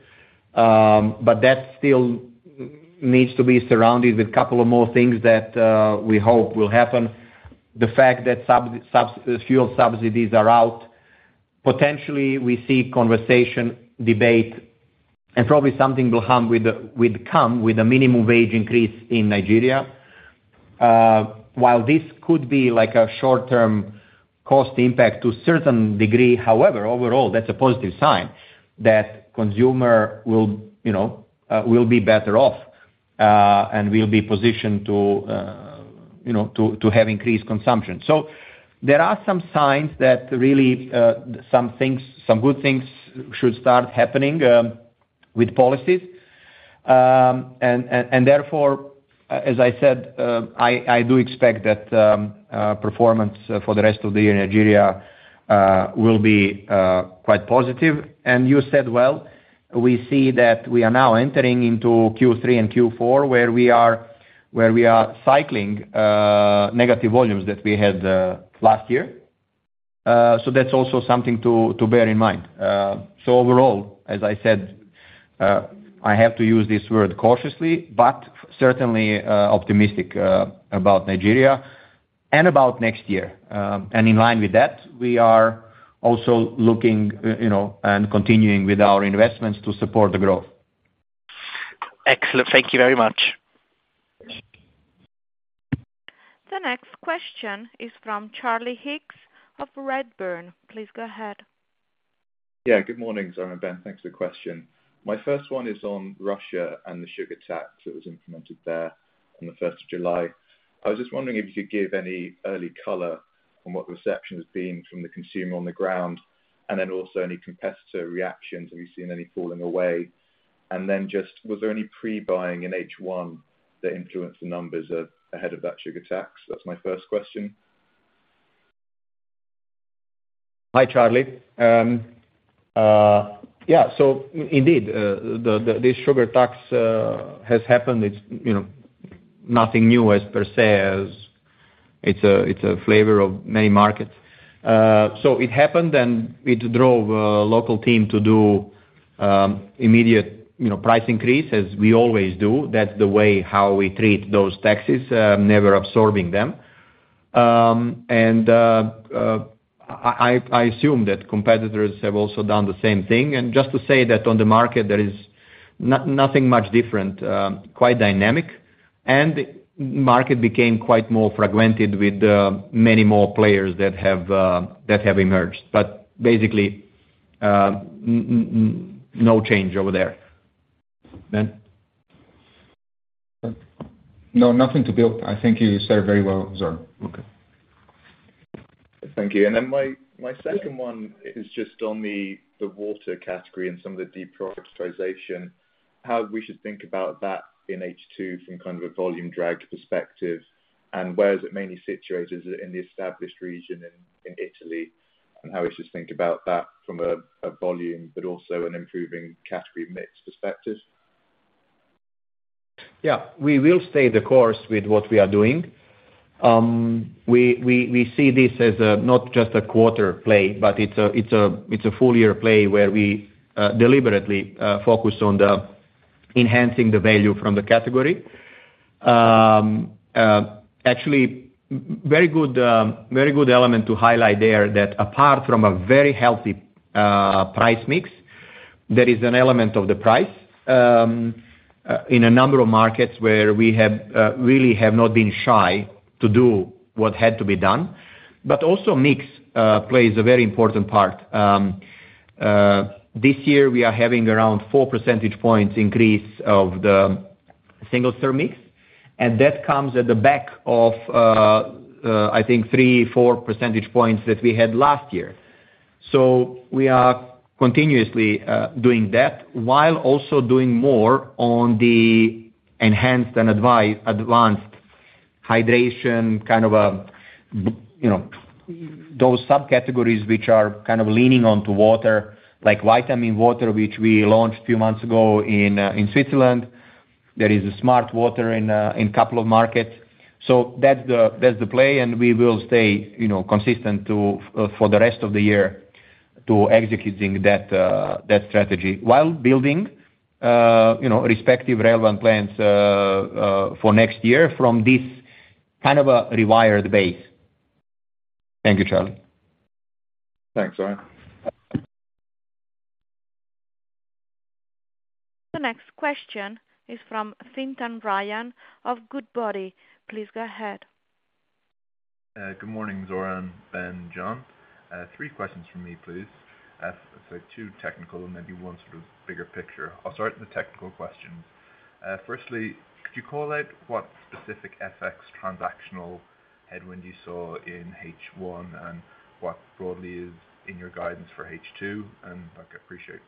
but that still needs to be surrounded with a couple of more things that we hope will happen. The fact that fuel subsidies are out, potentially we see conversation, debate, and probably something will come with a minimum wage increase in Nigeria. While this could be like a short-term cost impact to certain degree, however, overall, that's a positive sign that consumer will, you know, will be better off and will be positioned to, you know, to, to have increased consumption. There are some signs that really, some things, some good things should start happening with policies. And, therefore, as I said, I, I do expect that performance for the rest of the year in Nigeria will be quite positive. You said well, we see that we are now entering into Q3 and Q4, where we are, where we are cycling negative volumes that we had last year. That's also something to bear in mind. Overall, as I said, I have to use this word cautiously, but certainly optimistic about Nigeria and about next year. In line with that, we are also looking, you know, and continuing with our investments to support the growth. Excellent. Thank you very much. The next question is from Charlie Hicks of Redburn. Please go ahead. Yeah. Good morning, Zoran and Ben. Thanks for the question. My first one is on Russia and the sugar tax that was implemented there on the first of July. I was just wondering if you could give any early color on what the reception has been from the consumer on the ground, and then also any competitor reactions. Have you seen any falling away? Just, was there any pre-buying in H1 that influenced the numbers ahead of that sugar tax? That's my first question. Hi, Charlie. Yeah, indeed, the, the, this sugar tax has happened. It's, you know, nothing new as per se, as it's a, it's a flavor of many markets. It happened, and it drove a local team to do immediate, you know, price increase, as we always do. That's the way how we treat those taxes, never absorbing them. I, I assume that competitors have also done the same thing. Just to say that on the market, there is nothing much different, quite dynamic, and market became quite more fragmented with many more players that have emerged, but basically, no change over there. Ben? No, nothing to build. I think you said it very well, Zoran. Okay. Thank you. My second one is just on the Water category and some of the deprioritization, how we should think about that in H2 from kind of a volume drag perspective, and where is it mainly situated in the Established region in Italy, and how we should think about that from a volume, but also an improving category mix perspective? Yeah. We will stay the course with what we are doing. We, we, we see this as a, not just a quarter play, but it's a, it's a, it's a full year play where we deliberately focus on the enhancing the value from the category. Actually, very good element to highlight there, that apart from a very healthy price mix, there is an element of the price in a number of markets where we have really have not been shy to do what had to be done, but also mix plays a very important part. This year, we are having around four percentage points increase of the single-serve mix, and that comes at the back of, I think three, four percentage points that we had last year. We are continuously doing that while also doing more on the enhanced and advanced hydration, kind of a, you know, those subcategories which are kind of leaning on to water, like Vitaminwater, which we launched a few months ago in Switzerland. There is a smartwater in couple of markets. That's the, that's the play, and we will stay, you know, consistent for the rest of the year to executing that strategy, while building, you know, respective relevant plans for next year from this kind of a rewired base. Thank you, Charlie. Thanks, Zoran. The next question is from Fintan Ryan of Goodbody. Please go ahead. Good morning, Zoran, Ben, John. Three questions from me, please. So two technical and maybe one sort of bigger picture. I'll start with the technical questions. Firstly, could you call out what specific FX transactional headwind you saw in H1 and what broadly is in your guidance for H2? Look, I appreciate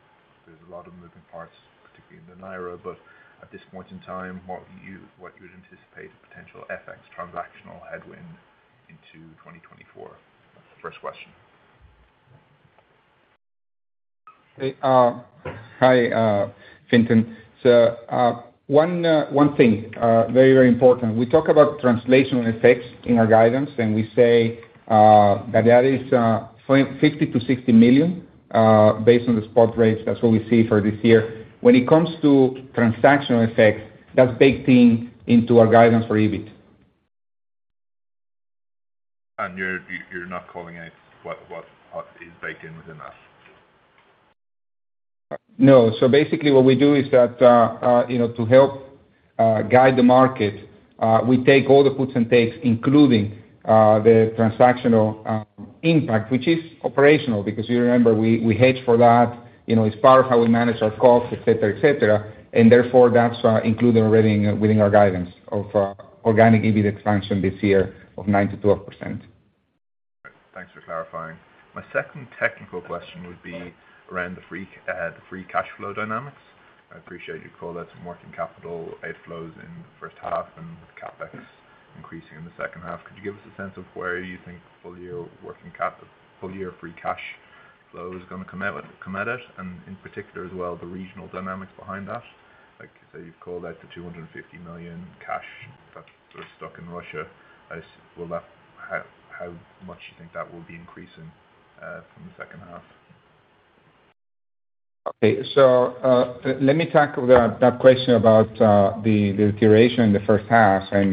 there's a lot of moving parts, particularly in the Naira, but at this point in time, what you, what you would anticipate a potential FX transactional headwind into 2024? That's the first question. Hey, hi, Fintan. One, one thing, very, very important. We talk about translational effects in our guidance, and we say, that is, 50 million-60 million, based on the spot rates, that's what we see for this year. When it comes to transactional effects, that's baked in into our guidance for EBIT. You're not calling out what is baked in within that? No. Basically what we do is that, you know, to help guide the market, we take all the puts and takes, including the transactional impact, which is operational, because you remember, we, we hedge for that, you know, it's part of how we manage our costs, et cetera, et cetera. Therefore, that's included already in, within our guidance of organic EBIT expansion this year of 9%-12%. Thanks for clarifying. My second technical question would be around the free, the free cash flow dynamics. I appreciate you call that some working capital outflows in the first half, and with CapEx increasing in the second half. Could you give us a sense of where you think full year free cash flow is gonna come out at? In particular as well, the regional dynamics behind that. Like, so you've called out the 250 million cash that's sort of stuck in Russia. Will that, how much do you think that will be increasing from the second half? Okay. Let me tackle that, that question about the duration in the first half and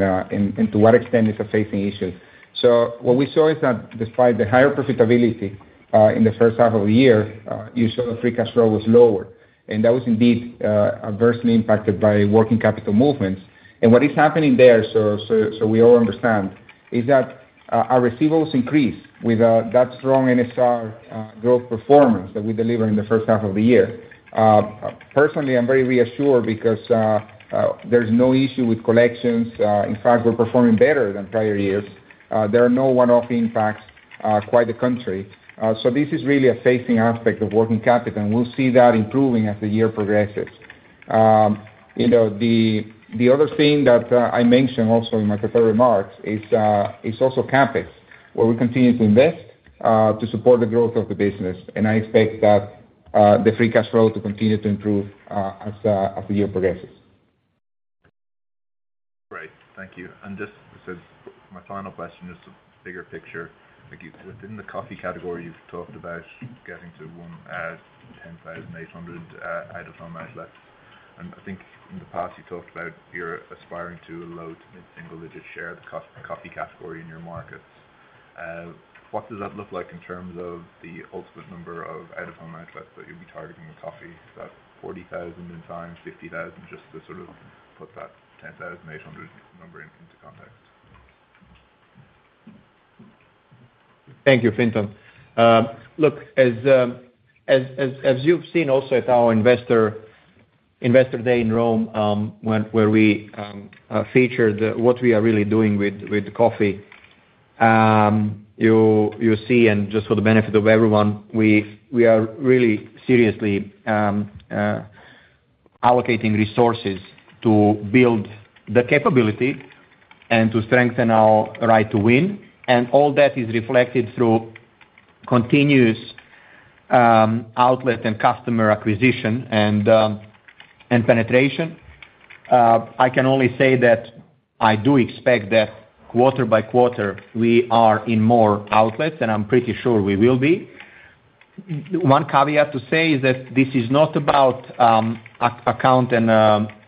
to what extent it's affecting issues. What we saw is that despite the higher profitability in the first half of the year, you saw the free cash flow was lower, and that was indeed adversely impacted by working capital movements. What is happening there, we all understand, is that our receivables increased with that strong NSR growth performance that we delivered in the first half of the year. Personally, I'm very reassured because there's no issue with collections. In fact, we're performing better than prior years. There are no one-off impacts, quite the contrary. This is really a facing aspect of working capital, and we'll see that improving as the year progresses. You know, the other thing that I mentioned also in my prepared remarks is also CapEx, where we continue to invest to support the growth of the business. I expect that the free cash flow to continue to improve as the year progresses. Great. Thank you. Just this is my final question, just a bigger picture. Like you, within the Coffee category, you've talked about getting to 10,800 out-of-home outlets. I think in the past you talked about you're aspiring to a low single-digit share of the Coffee category in your markets. What does that look like in terms of the ultimate number of out-of-home outlets that you'll be targeting with Coffee? Is that 40,000 in time, 50,000, just to sort of put that 10,800 number into context? Thank you, Fintan. Look, as, as, as you've seen also at our investor, Investor Day in Rome, when, where we featured what we are really doing with, with coffee, you'll, you'll see, and just for the benefit of everyone, we, we are really seriously allocating resources to build the capability and to strengthen our right to win, and all that is reflected through continuous outlet and customer acquisition and penetration. I can only say that I do expect that quarter by quarter we are in more outlets, and I'm pretty sure we will be. One caveat to say is that this is not about account and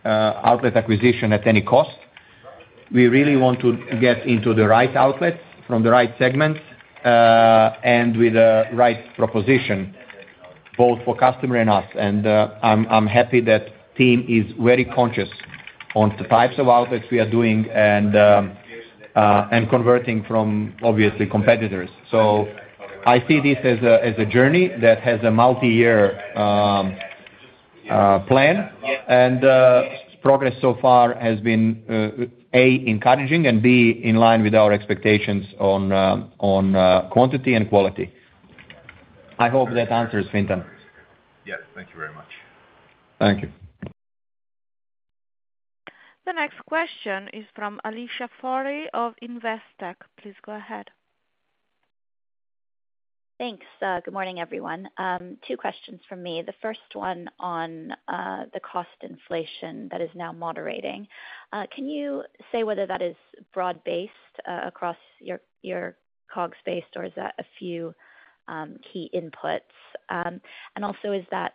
outlet acquisition at any cost. We really want to get into the right outlets from the right segments and with the right proposition, both for customer and us. I'm happy that team is very conscious on the types of outlets we are doing and converting from obviously competitors. I see this as a, as a journey that has a multi-year plan. Progress so far has been A, encouraging, and B, in line with our expectations on quantity and quality. I hope that answers, Finton. Yes, thank you very much. Thank you. The next question is from Alicia Forry of Investec. Please go ahead. Thanks. Good morning, everyone. two questions from me. The first one on the cost inflation that is now moderating. Can you say whether that is broad-based across your, your COGS-based, or is that a few key inputs? Also, is that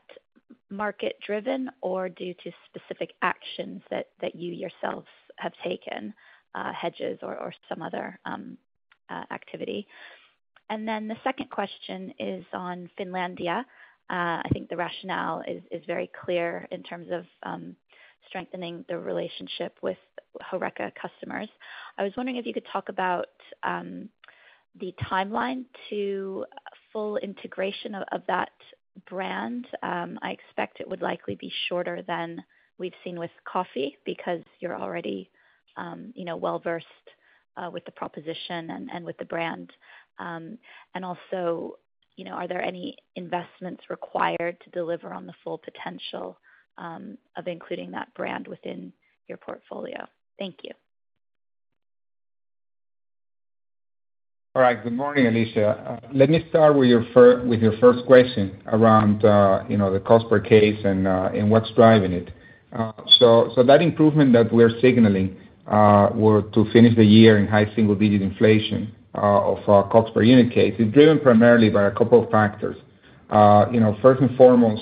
market driven or due to specific actions that you yourselves have taken, hedges or some other activity? The second question is on Finlandia. I think the rationale is very clear in terms of strengthening the relationship with HoReCa customers. I was wondering if you could talk about the timeline to full integration of that brand. I expect it would likely be shorter than we've seen with coffee because you're already, you know, well-versed with the proposition and with the brand. Also, you know, are there any investments required to deliver on the full potential of including that brand within your portfolio? Thank you. All right. Good morning, Alicia. Let me start with your first question around, you know, the cost per case and what's driving it. That improvement that we're signaling, we're to finish the year in high single-digit inflation of our costs per unit case, is driven primarily by a couple of factors. You know, first and foremost,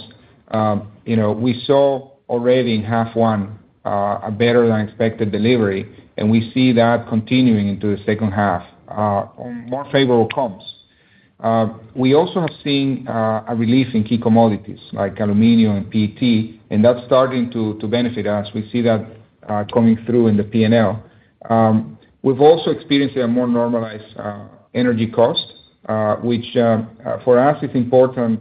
you know, we saw already in half one, a better-than-expected delivery, and we see that continuing into the second half on more favorable comps. We also are seeing a relief in key commodities like aluminum and PET, and that's starting to benefit us. We see that coming through in the P&L. We've also experienced a more normalized energy cost, which for us is important,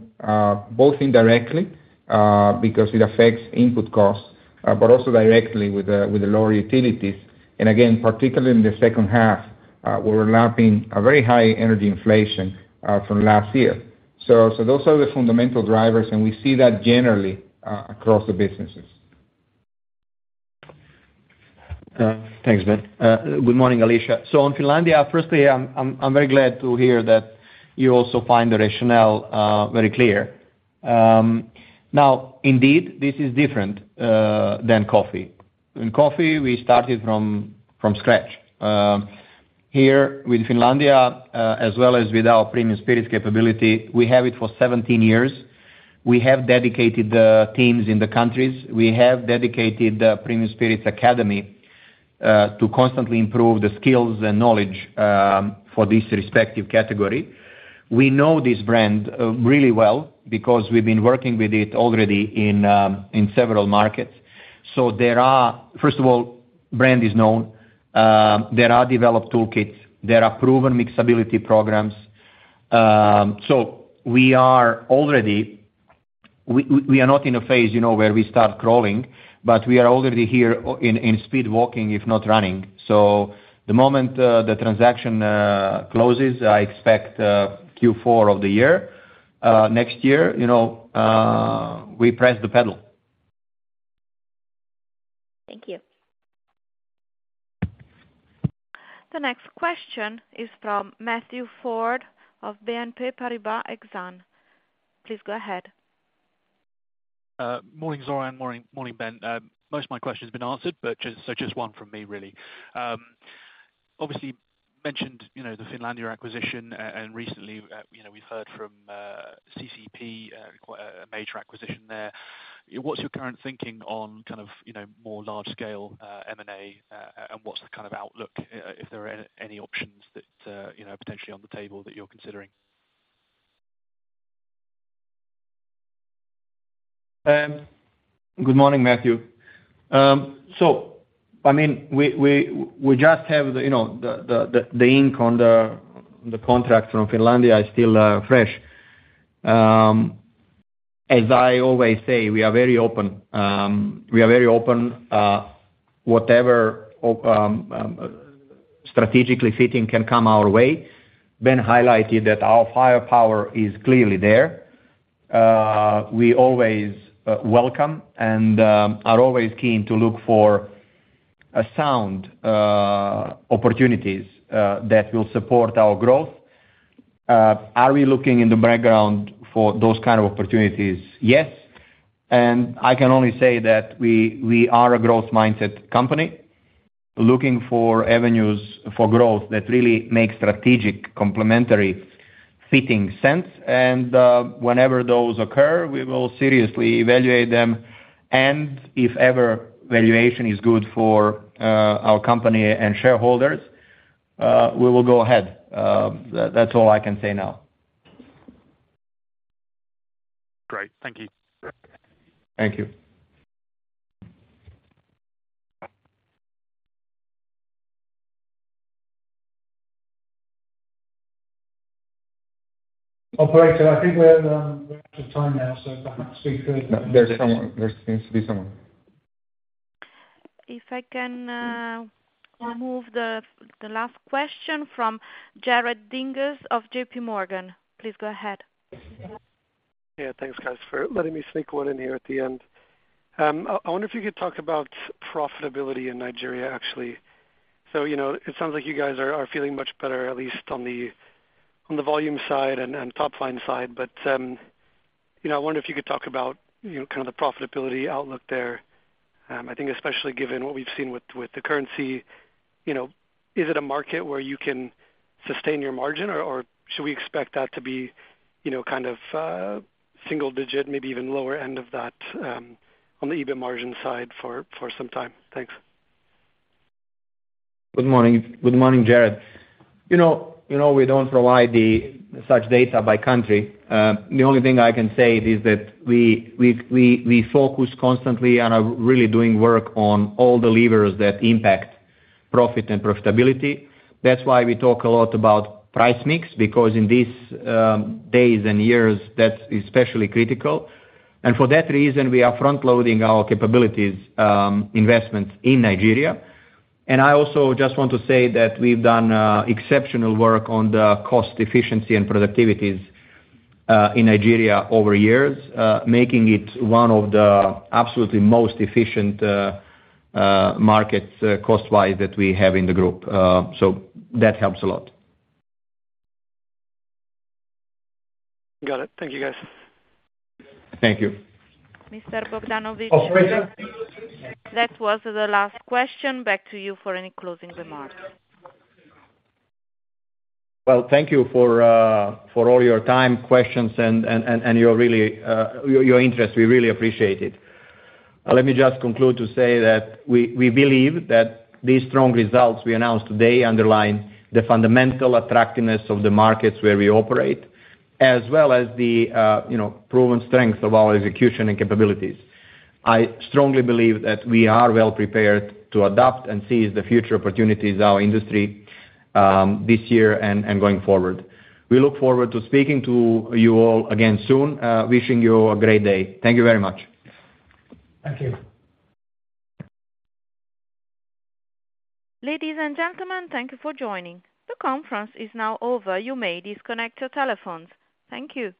both indirectly, because it affects input costs, but also directly with the lower utilities. Again, particularly in the second half, we're lapping a very high energy inflation from last year. Those are the fundamental drivers, and we see that generally across the businesses. Thanks, Ben. Good morning, Alicia. On Finlandia, firstly, I'm, I'm, I'm very glad to hear that you also find the rationale very clear. Now, indeed, this is different than Coffee. In Coffee, we started from, from scratch. Here with Finlandia, as well as with our Premium Spirits capability, we have it for 17 years. We have dedicated teams in the countries. We have dedicated Premium Spirits academy to constantly improve the skills and knowledge for this respective category. We know this brand really well because we've been working with it already in several markets. There are, First of all, brand is known, there are developed toolkits, there are proven mixability programs. We are already not in a phase, you know, where we start crawling, but we are already here in speed walking, if not running. The moment the transaction closes, I expect Q4 of the year next year, you know, we press the pedal. Thank you. The next question is from Matthew Ford of BNP Paribas Exane. Please go ahead. Morning, morning, Ben. Most of my question has been answered, but just one from me, really. Obviously you mentioned, you know, the Finlandia acquisition, and recently, you know, we've heard from CCEP, quite a major acquisition there. What's your current thinking on kind of, you know, more large scale M&A, and what's the kind of outlook if there are any options that, you know, potentially on the table that you're considering? Good morning, Matthew. I mean, we, we, we just have the, you know, the, the, the, the ink on the, the contract from Finlandia is still fresh. As I always say, we are very open, we are very open, whatever, strategically fitting can come our way. Ben highlighted that our firepower is clearly there. We always welcome and are always keen to look for a sound opportunities that will support our growth. Are we looking in the background for those kind of opportunities? Yes, I can only say that we, we are a growth mindset company looking for avenues for growth that really make strategic, complementary, fitting sense. Whenever those occur, we will seriously evaluate them, and if ever valuation is good for our company and shareholders, we will go ahead. That's all I can say now. Thank you. Thank you. Operator, I think we're, we're out of time now, so perhaps we could. There's someone, there seems to be someone. If I can, remove the, the last question from Jared Dinges of JP Morgan. Please go ahead. Yeah, thanks, guys, for letting me sneak one in here at the end. I, I wonder if you could talk about profitability in Nigeria, actually. You know, it sounds like you guys are, are feeling much better, at least on the, on the volume side and, and top line side. You know, I wonder if you could talk about, you know, kind of the profitability outlook there. I think especially given what we've seen with, with the currency, you know, is it a market where you can sustain your margin? Or should we expect that to be, you know, kind of, single digit, maybe even lower end of that, on the EBIT margin side for, for some time? Thanks. morning, Jared. You know, you know, we don't provide such data by country. The only thing I can say is that we, we, we, we focus constantly on really doing work on all the levers that impact profit and profitability. That's why we talk a lot about price mix, because in these days and years, that's especially critical. For that reason, we are front loading our capabilities investment in Nigeria. I also just want to say that we've done exceptional work on the cost efficiency and productivities in Nigeria over years, making it one of the absolutely most efficient markets cost-wise that we have in the group. So that helps a lot. Got it. Thank you, guys. Thank you. Operator? That was the last question. Back to you for any closing remarks. Well, thank you for all your time, questions, and your really, your interest. We really appreciate it. Let me just conclude to say that we believe that these strong results we announced today underline the fundamental attractiveness of the markets where we operate, as well as the, you know, proven strength of our execution and capabilities. I strongly believe that we are well prepared to adapt and seize the future opportunities in our industry, this year and going forward. We look forward to speaking to you all again soon, wishing you a great day. Thank you very much. Thank you. Ladies and gentlemen, thank you for joining. The conference is now over. You may disconnect your telephones. Thank you.